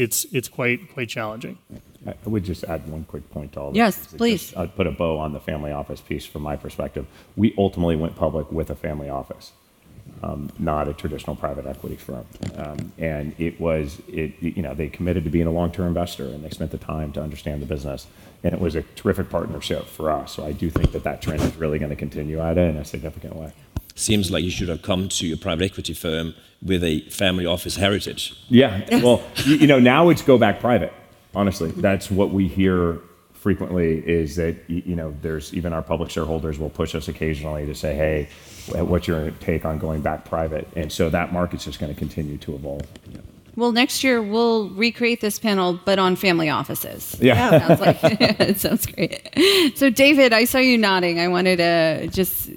quite challenging. I would just add one quick point to all of that. Yes, please. Just put a bow on the family office piece from my perspective. We ultimately went public with a family office- Mm-hmm. ...not a traditional private equity firm. It was, it, you know, they committed to being a long-term investor, and they spent the time to understand the business, and it was a terrific partnership for us. I do think that that trend is really gonna continue, Ida, in a significant way. Seems like you should have come to your private equity firm with a family office heritage. Yeah. Well, you know, now it's go back private, honestly. That's what we hear frequently, is that you know, there's, even our public shareholders will push us occasionally to say, "Hey, what's your take on going back private?" That market's just gonna continue to evolve. Well, next year we'll recreate this panel, but on family offices. Yeah. Sounds like it sounds great. David, I saw you nodding. I wanted to just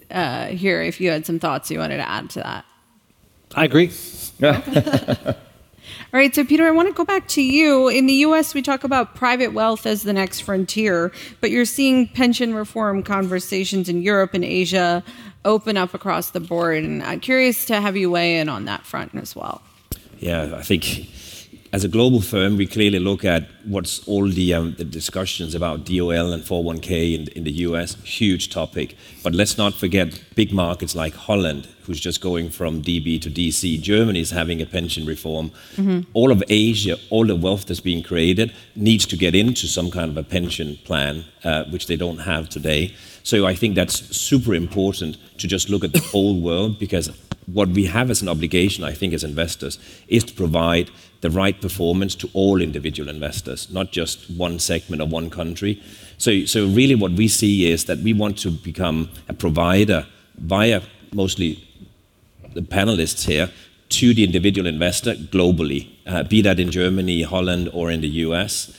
hear if you had some thoughts you wanted to add to that. I agree. Okay. All right. Peter, I wanna go back to you. In the U.S., we talk about private wealth as the next frontier, but you're seeing pension reform conversations in Europe and Asia open up across the board, and I'm curious to have you weigh in on that front as well. Yeah. I think as a global firm, we clearly look at what's all the discussions about DOL and 401(k) in the U.S. Huge topic. Let's not forget big markets like Holland, who's just going from DB-DC. Germany's having a pension reform. Mm-hmm. All of Asia, all the wealth that's being created needs to get into some kind of a pension plan, which they don't have today. I think that's super important to just look at the whole world, because what we have as an obligation, I think as investors, is to provide the right performance to all individual investors, not just one segment of one country. Really what we see is that we want to become a provider via mostly the panelists here to the individual investor globally, be that in Germany, Holland, or in the U.S.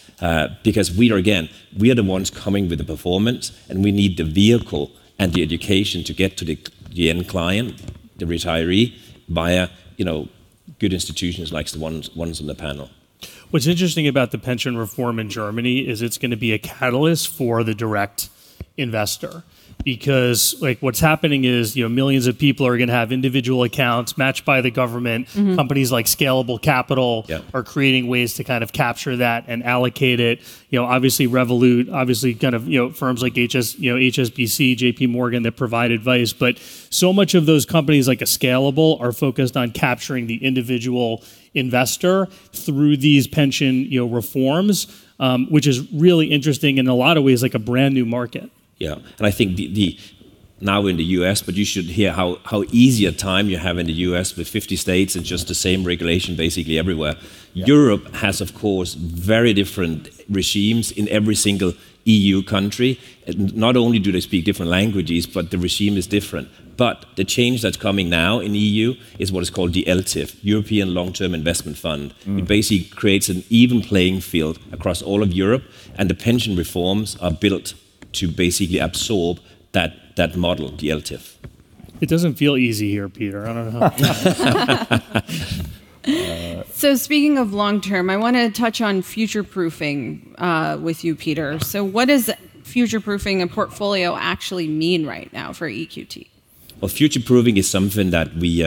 Because we are, again, we are the ones coming with the performance, and we need the vehicle and the education to get to the end client, the retiree, via, you know, good institutions like the ones on the panel. What's interesting about the pension reform in Germany is it's gonna be a catalyst for the direct investor. Because, like, what's happening is, you know, millions of people are gonna have individual accounts matched by the government. Mm-hmm. Companies like Scalable Capital- Yeah.... are creating ways to kind of capture that and allocate it. You know, obviously Revolut, obviously kind of, you know, firms like HSBC, JPMorgan, that provide advice. So much of those companies like a Scalable are focused on capturing the individual investor through these pension, you know, reforms, which is really interesting in a lot of ways, like a brand-new market. Yeah. Now in the U.S., you should hear how easy a time you have in the U.S. with 50 states and just the same regulation basically everywhere. Yeah. Europe has, of course, very different regimes in every single EU country. Not only do they speak different languages, the regime is different. The change that's coming now in EU is what is called the ELTIF, European Long-Term Investment Fund. Mm. It basically creates an even playing field across all of Europe, and the pension reforms are built to basically absorb that model, the ELTIF. It doesn't feel easy here, Peter. I don't know how. Speaking of long-term, I wanna touch on future-proofing with you, Peter. What does future-proofing a portfolio actually mean right now for EQT? Future-proofing is something that we.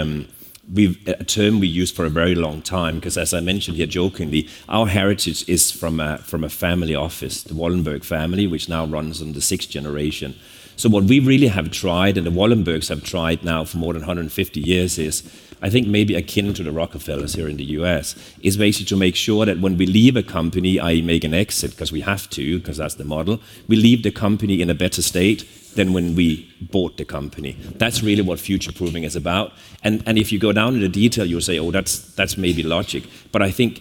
A term we use for a very long time, 'cause as I mentioned here jokingly, our heritage is from a family office, the Wallenberg family, which now runs in the 6th generation. What we really have tried, and the Wallenbergs have tried now for more than 150 years is, I think maybe akin to the Rockefellers here in the U.S., is basically to make sure that when we leave a company, i.e., make an exit, 'cause we have to, 'cause that's the model, we leave the company in a better state than when we bought the company. That's really what future-proofing is about. If you go down to the detail, you'll say, "Oh, that's maybe logic." I think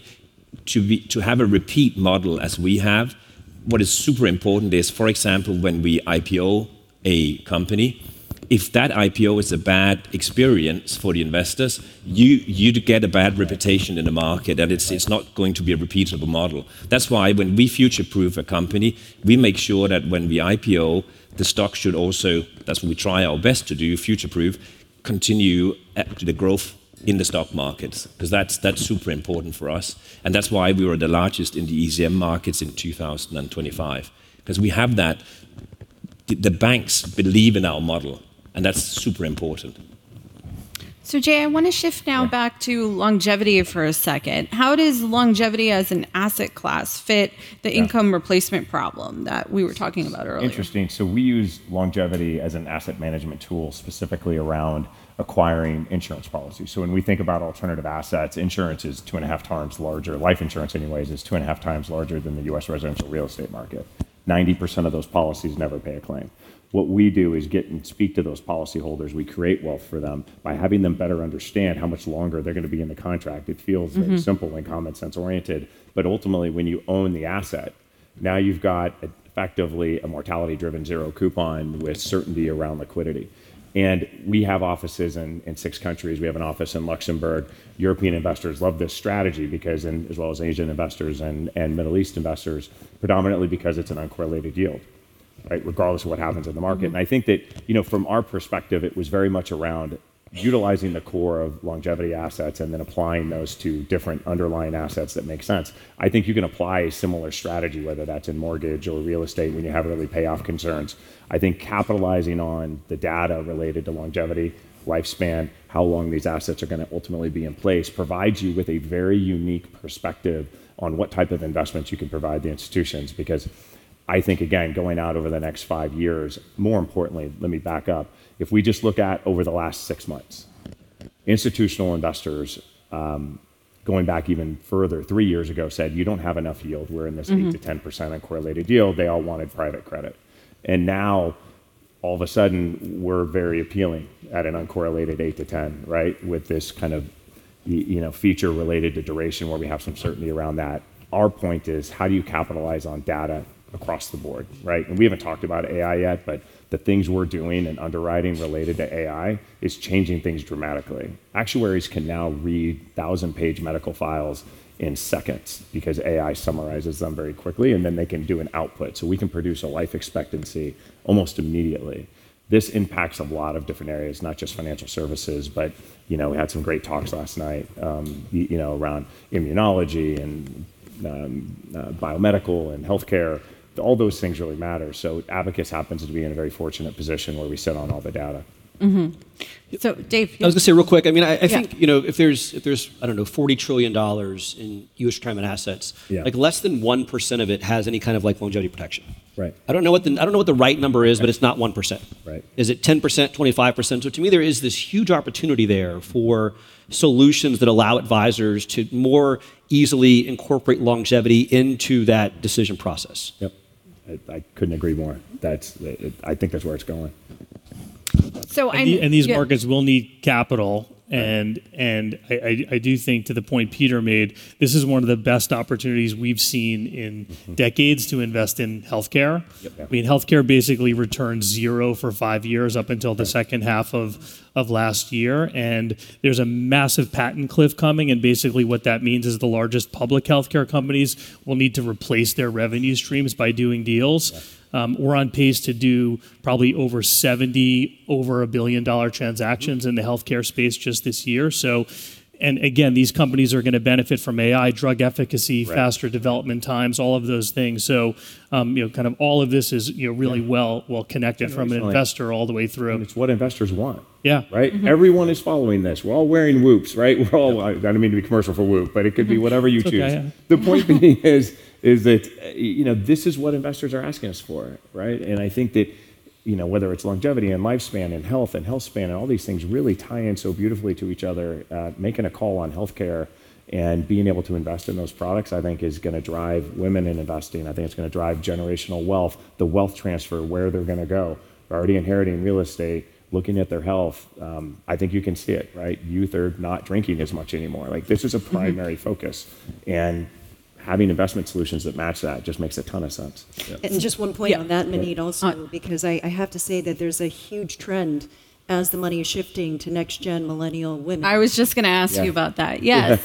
to have a repeat model as we have, what is super important is, for example, when we IPO a company, if that IPO is a bad experience for the investors, you'd get a bad reputation in the market, and it's not going to be a repeatable model. That's why when we future-proof a company, we make sure that when we IPO, the stock should also, that's what we try our best to do, future-proof, continue the growth in the stock market, 'cause that's super important for us. That's why we were the largest in the ECM markets in 2025. Because we have that. The banks believe in our model, that's super important. Jay, I wanna shift now back to longevity for a second. How does longevity as an asset class fit. Yeah. The income replacement problem that we were talking about earlier? Interesting. We use longevity as an asset management tool specifically around acquiring insurance policies. When we think about alternative assets, insurance is two and a half times larger, life insurance anyways, is two and a half times larger than the U.S. residential real estate market. 90% of those policies never pay a claim. What we do is get and speak to those policy holders. We create wealth for them by having them better understand how much longer they're gonna be in the contract. Mm-hmm. Very simple and common sense oriented, ultimately, when you own the asset, now you've got effectively a mortality-driven zero coupon with certainty around liquidity. We have offices in six countries. We have an office in Luxembourg. European investors love this strategy. As well as Asian investors and Middle East investors, predominantly because it's an uncorrelated yield, right? Regardless of what happens in the market. Mm-hmm. I think that, you know, from our perspective, it was very much around utilizing the core of longevity assets and then applying those to different underlying assets that make sense. I think you can apply a similar strategy, whether that's in mortgage or real estate, when you have early payoff concerns. I think capitalizing on the data related to longevity, healthspan, how long these assets are gonna ultimately be in place, provides you with a very unique perspective on what type of investments you can provide the institutions. I think, again, going out over the next five years. More importantly, let me back up. If we just look at over the last six months, institutional investors, going back even further, three years ago said, "You don't have enough yield. We're in this.- Mm-hmm.... 8%-10% uncorrelated yield." They all wanted private credit. Now, all of a sudden, we're very appealing at an uncorrelated 8%-10%, right? With this kind of you know, feature related to duration where we have some certainty around that. Our point is, how do you capitalize on data across the board, right? We haven't talked about AI yet, but the things we're doing in underwriting related to AI is changing things dramatically. Actuaries can now read 1,000-page medical files in seconds because AI summarizes them very quickly, and then they can do an output. We can produce a life expectancy almost immediately. This impacts a lot of different areas, not just financial services, but, you know, we had some great talks last night, you know, around immunology and biomedical and healthcare. All those things really matter. Abacus happens to be in a very fortunate position where we sit on all the data. David. I was gonna say real quick, I mean, I think. Yeah. You know, if there's, I don't know, $40 trillion in U.S. retirement assets. Yeah. Like, less than 1% of it has any kind of, like, longevity protection. Right. I don't know what the right number is- Right. ...it's not 1%. Right. Is it 10%, 25%? To me, there is this huge opportunity there for solutions that allow advisors to more easily incorporate longevity into that decision process. Yep. I couldn't agree more. I think that's where it's going. So I'm- These markets- Yeah. ...will need capital, and I do think to the point Peter made, this is one of the best opportunities we've seen in decades- Mm-hmm.... to invest in healthcare. Yep. I mean, healthcare basically returned $0 for five years up until the second half of last year, and there's a massive patent cliff coming, and basically what that means is the largest public healthcare companies will need to replace their revenue streams by doing deals. Yeah. We're on pace to do probably over 70 over $1 billion transactions- Mm-hmm.... in the healthcare space just this year. Again, these companies are going to benefit from AI, drug efficacy- Right.... faster development times, all of those things. You know, kind of all of this is, you know, really well, well-connected from an investor all the way through. It's what investors want. Yeah. Right? Mm-hmm. Everyone is following this. We're all wearing WHOOPs, right? We're all, I don't mean to be commercial for WHOOP, but it could be whatever you choose. It's okay, yeah. The point being is that, you know, this is what investors are asking us for, right? I think that, you know, whether it's longevity and lifespan and health and healthspan, and all these things really tie in so beautifully to each other. Making a call on healthcare and being able to invest in those products, I think is gonna drive women in investing. I think it's gonna drive generational wealth, the wealth transfer, where they're gonna go. They're already inheriting real estate, looking at their health. I think you can see it, right? Youth are not drinking as much anymore. Like, this is a primary focus. Having investment solutions that match that just makes a ton of sense. Yeah. Just one point- Yeah.... on that, Maneet, also- Uh-huh. ...I have to say that there's a huge trend as the money is shifting to next gen millennial women. I was just gonna ask you- Yeah. ...about that. Yes.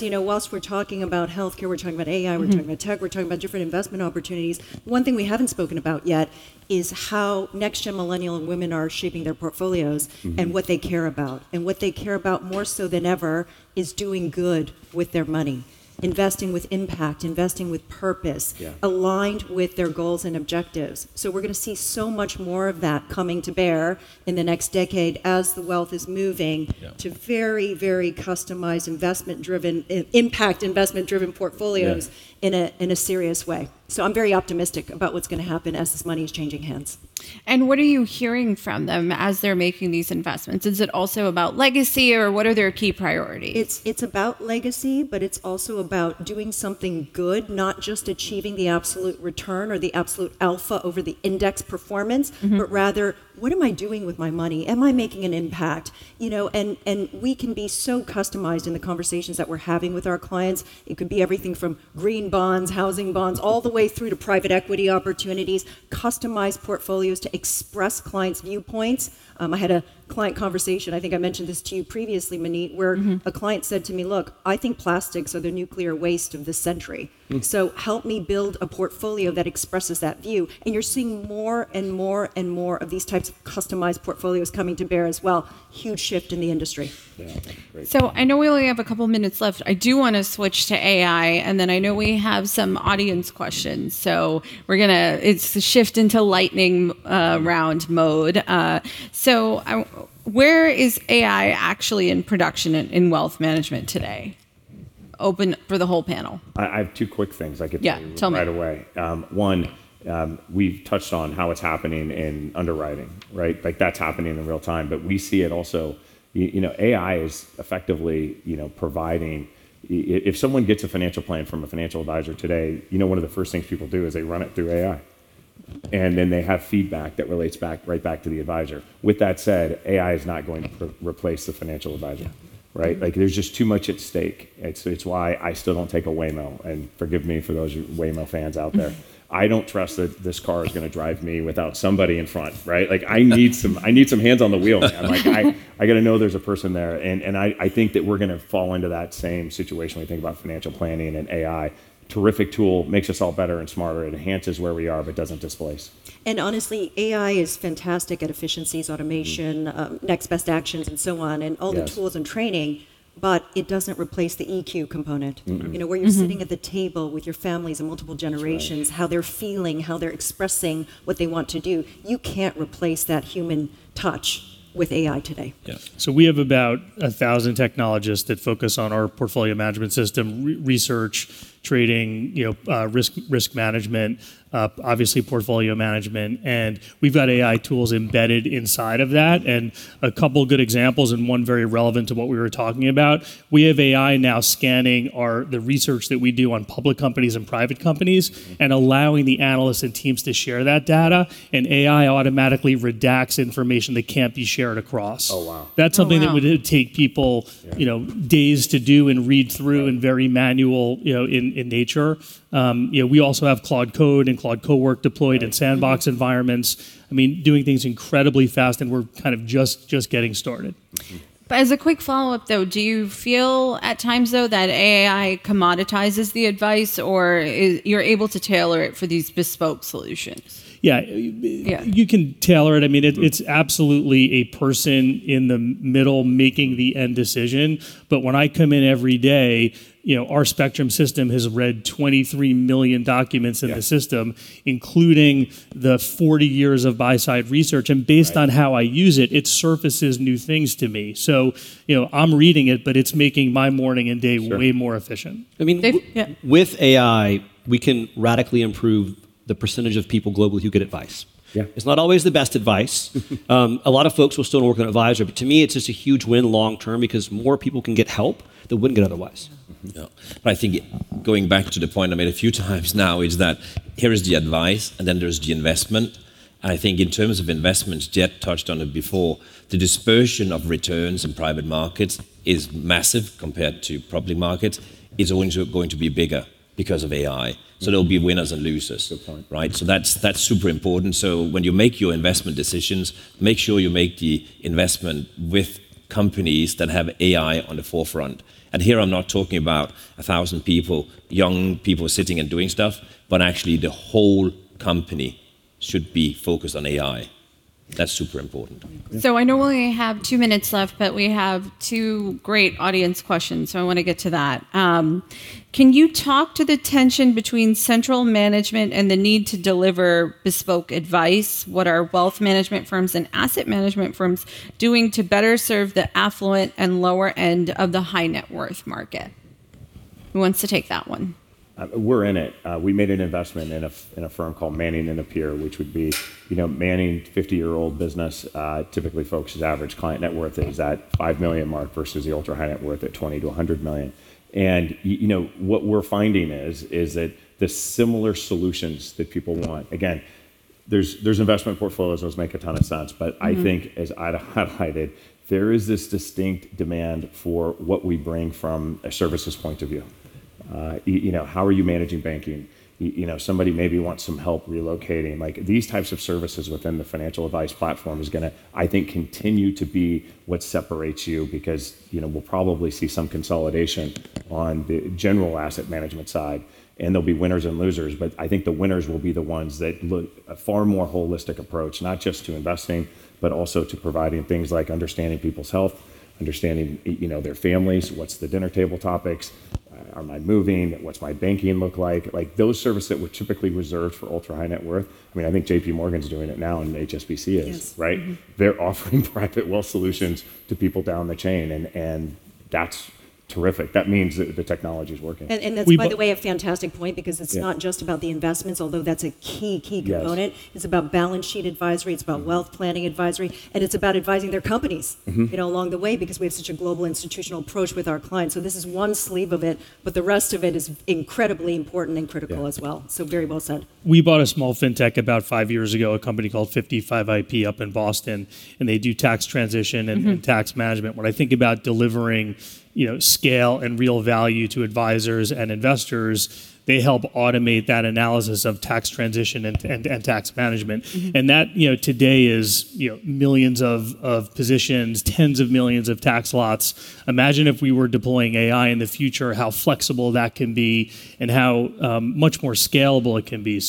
You know, whilst we're talking about healthcare, we're talking about AI- Mm-hmm.... we're talking about tech, we're talking about different investment opportunities, one thing we haven't spoken about yet is how next gen millennial women are shaping their portfolios- Mm-hmm. ...what they care about. What they care about more so than ever is doing good with their money, investing with impact, investing with purpose- Yeah.... aligned with their goals and objectives. We're gonna see so much more of that coming to bear in the next decade as the wealth is moving- Yeah.... to very customized investment driven impact investment driven portfolios- Yeah. ...in a serious way. I'm very optimistic about what's gonna happen as this money is changing hands. What are you hearing from them as they're making these investments? Is it also about legacy, or what are their key priorities? It's about legacy, but it's also about doing something good, not just achieving the absolute return or the absolute alpha over the index performance. Mm-hmm. Rather, what am I doing with my money? Am I making an impact? You know, we can be so customized in the conversations that we're having with our clients. It could be everything from green bonds, housing bonds, all the way through to private equity opportunities, customized portfolios to express clients' viewpoints. I had a client conversation, I think I mentioned this to you previously, Maneet. Mm-hmm. A client said to me, "Look, I think plastics are the nuclear waste of this century. Mm. Help me build a portfolio that expresses that view." You're seeing more and more and more of these types of customized portfolios coming to bear as well. Huge shift in the industry. Yeah. Great. I know we only have a couple of minutes left. I do wanna switch to AI, and then I know we have some audience questions. We're gonna shift into lightning round mode. Where is AI actually in production in wealth management today? Open for the whole panel. I have two quick things I could tell you- Yeah, tell me. ...right away. We've touched on how it's happening in underwriting, right? Like, that's happening in real time. We see it also, you know, AI is effectively, you know, providing if someone gets a financial plan from a financial advisor today, you know one of the first things people do is they run it through AI. They have feedback that relates back, right back to the advisor. With that said, AI is not going to replace the financial advisor. Yeah. Mm-hmm. Right? Like, there's just too much at stake. It's, it's why I still don't take a Waymo. Forgive me, for those of you Waymo fans out there. I don't trust that this car is gonna drive me without somebody in front, right? Like, I need some hands on the wheel, man. Like, I gotta know there's a person there. I think that we're gonna fall into that same situation when we think about financial planning and AI. Terrific tool, makes us all better and smarter, enhances where we are, but doesn't displace. Honestly, AI is fantastic at efficiencies, automation- Mm. ...next best actions and so on. Yes. All the tools and training, but it doesn't replace the EQ component. Mm-mm. Mm-hmm. You know, where you're sitting at the table with your families and multiple generations- That's right.... how they're feeling, how they're expressing what they want to do. You can't replace that human touch with AI today. Yeah. We have about 1,000 technologists that focus on our portfolio management system, research, trading, you know, risk management, obviously portfolio management, and we've got AI tools embedded inside of that. A couple of good examples, and one very relevant to what we were talking about, we have AI now scanning the research that we do on public companies and private companies- Mm-hmm.... allowing the analysts and teams to share that data, AI automatically redacts information that can't be shared across. Oh, wow. Oh, wow. That's something that would take people- Yeah. ...you know, days to do and read through- Right.... and very manual, you know, in nature. You know, we also have Claude Code and Claude Cowork deployed- Right. ...in sandbox environments. Mm-hmm. I mean, doing things incredibly fast. We're kind of just getting started. Mm-hmm. As a quick follow-up though, do you feel at times though that AI commoditizes the advice, or you're able to tailor it for these bespoke solutions? Yeah- Yeah. ...you can tailor it. I mean, Mm. It's absolutely a person in the middle making the end decision. When I come in every day, you know, our Spectrum system has read 23 million documents in the system- Yeah. ...including the 40 years of buy side research. Right. Based on how I use it surfaces new things to me. You know, I'm reading it, but it's making my morning and day- Sure. ...way more efficient. David? Yeah. I mean, with AI, we can radically improve the percentage of people globally who get advice. Yeah. It's not always the best advice. A lot of folks will still work with an advisor, but to me, it's just a huge win long term because more people can get help that wouldn't get otherwise. Yeah. Yeah. I think, going back to the point I made a few times now, is that here is the advice, and then there's the investment. I think in terms of investments, Jed touched on it before, the dispersion of returns in private markets is massive compared to public markets. It's always going to be bigger because of AI. Mm-hmm. There'll be winners and losers. Good point. Right? That's super important. When you make your investment decisions, make sure you make the investment with companies that have AI on the forefront. Here I'm not talking about 1,000 people, young people sitting and doing stuff, but actually the whole company should be focused on AI. That's super important. I know we only have two minutes left, but we have two great audience questions, so I want to get to that. Can you talk to the tension between central management and the need to deliver bespoke advice? What are wealth management firms and asset management firms doing to better serve the affluent and lower end of the high net worth market? Who wants to take that one? We're in it. We made an investment in a firm called Manning & Napier, which would be, you know, Manning, 50-year-old business, typically focuses average client net worth is that $5 million mark versus the ultra-high net worth at $20 million-$100 million. You know, what we're finding is that the similar solutions that people want, again, There's investment portfolios, those make a ton of sense. Mm-hmm. I think as Ida highlighted, there is this distinct demand for what we bring from a services point of view. How are you managing banking? Somebody maybe wants some help relocating. Like, these types of services within the financial advice platform is gonna, I think, continue to be what separates you because, you know, we'll probably see some consolidation on the general asset management side, and there'll be winners and losers. I think the winners will be the ones that look a far more holistic approach, not just to investing, but also to providing things like understanding people's health, understanding, you know, their families, what's the dinner table topics, am I moving, what's my banking look like? Like, those services that were typically reserved for ultra-high net worth. I mean, I think JPMorgan's doing it now and HSBC is. Yes. Mm-hmm. Right? They're offering private wealth solutions to people down the chain and that's terrific. That means that the technology's working. And, and that's- We bought-... by the way, a fantastic point because- Yeah. ...not just about the investments, although that's a key component. Yes. It's about balance sheet advisory- Mm-hmm.... it's about wealth planning advisory, and it's about advising their companies- Mm-hmm.... you know, along the way, because we have such a global institutional approach with our clients. This is one sleeve of it, but the rest of it is incredibly important and critical- Yeah.... as well. Very well said. We bought a small fintech about five years ago, a company called 55ip up in Boston, and they do tax transition- Mm-hmm.... and tax management. When I think about delivering, you know, scale and real value to advisors and investors, they help automate that analysis of tax transition and tax management. Mm-hmm. That, you know, today is, you know, millions of positions, 10s of millions of tax lots. Imagine if we were deploying AI in the future, how flexible that can be and how much more scalable it can be. I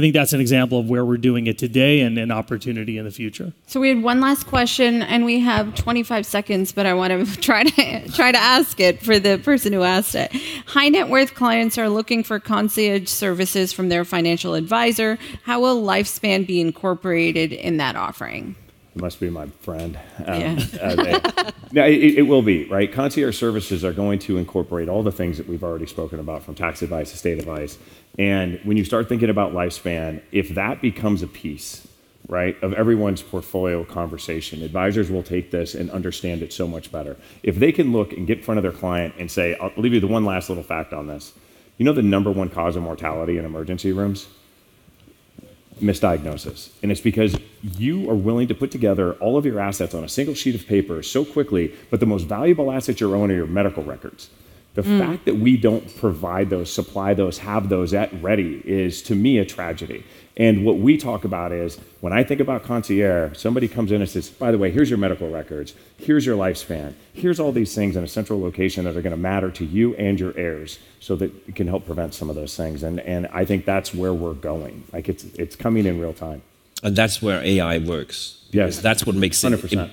think that's an example of where we're doing it today and an opportunity in the future. We had 1 last question, and we have 25 seconds, but I wanna try to ask it for the person who asked it. High net worth clients are looking for concierge services from their financial advisor. How will lifespan be incorporated in that offering? It must be my friend. Yeah. Nate. No, it will be, right? Concierge services are going to incorporate all the things that we've already spoken about, from tax advice to estate advice, and when you start thinking about healthspan, if that becomes a piece, right, of everyone's portfolio conversation, advisors will take this and understand it so much better. If they can look and get in front of their client and say I'll leave you the one last little fact on this. You know the number one cause of mortality in emergency rooms? Misdiagnosis. It's because you are willing to put together all of your assets on a single sheet of paper so quickly, but the most valuable assets you own are your medical records. Hmm. The fact that we don't provide those, supply those, have those at ready is, to me, a tragedy. What we talk about is, when I think about concierge, somebody comes in and says, "By the way, here's your medical records. Here's your lifespan. Here's all these things in a central location that are gonna matter to you and your heirs," so that it can help prevent some of those things. I think that's where we're going. Like, it's coming in real time. That's where AI works. Yes. That's what makes it. 100%.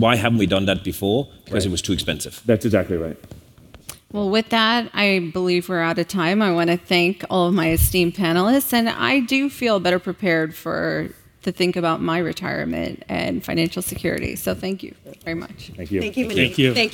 Why haven't we done that before? Right. 'Cause it was too expensive. That's exactly right. Well, with that, I believe we're out of time. I wanna thank all of my esteemed panelists. I do feel better prepared to think about my retirement and financial security. Thank you very much. Thank you. Thank you. Thank you.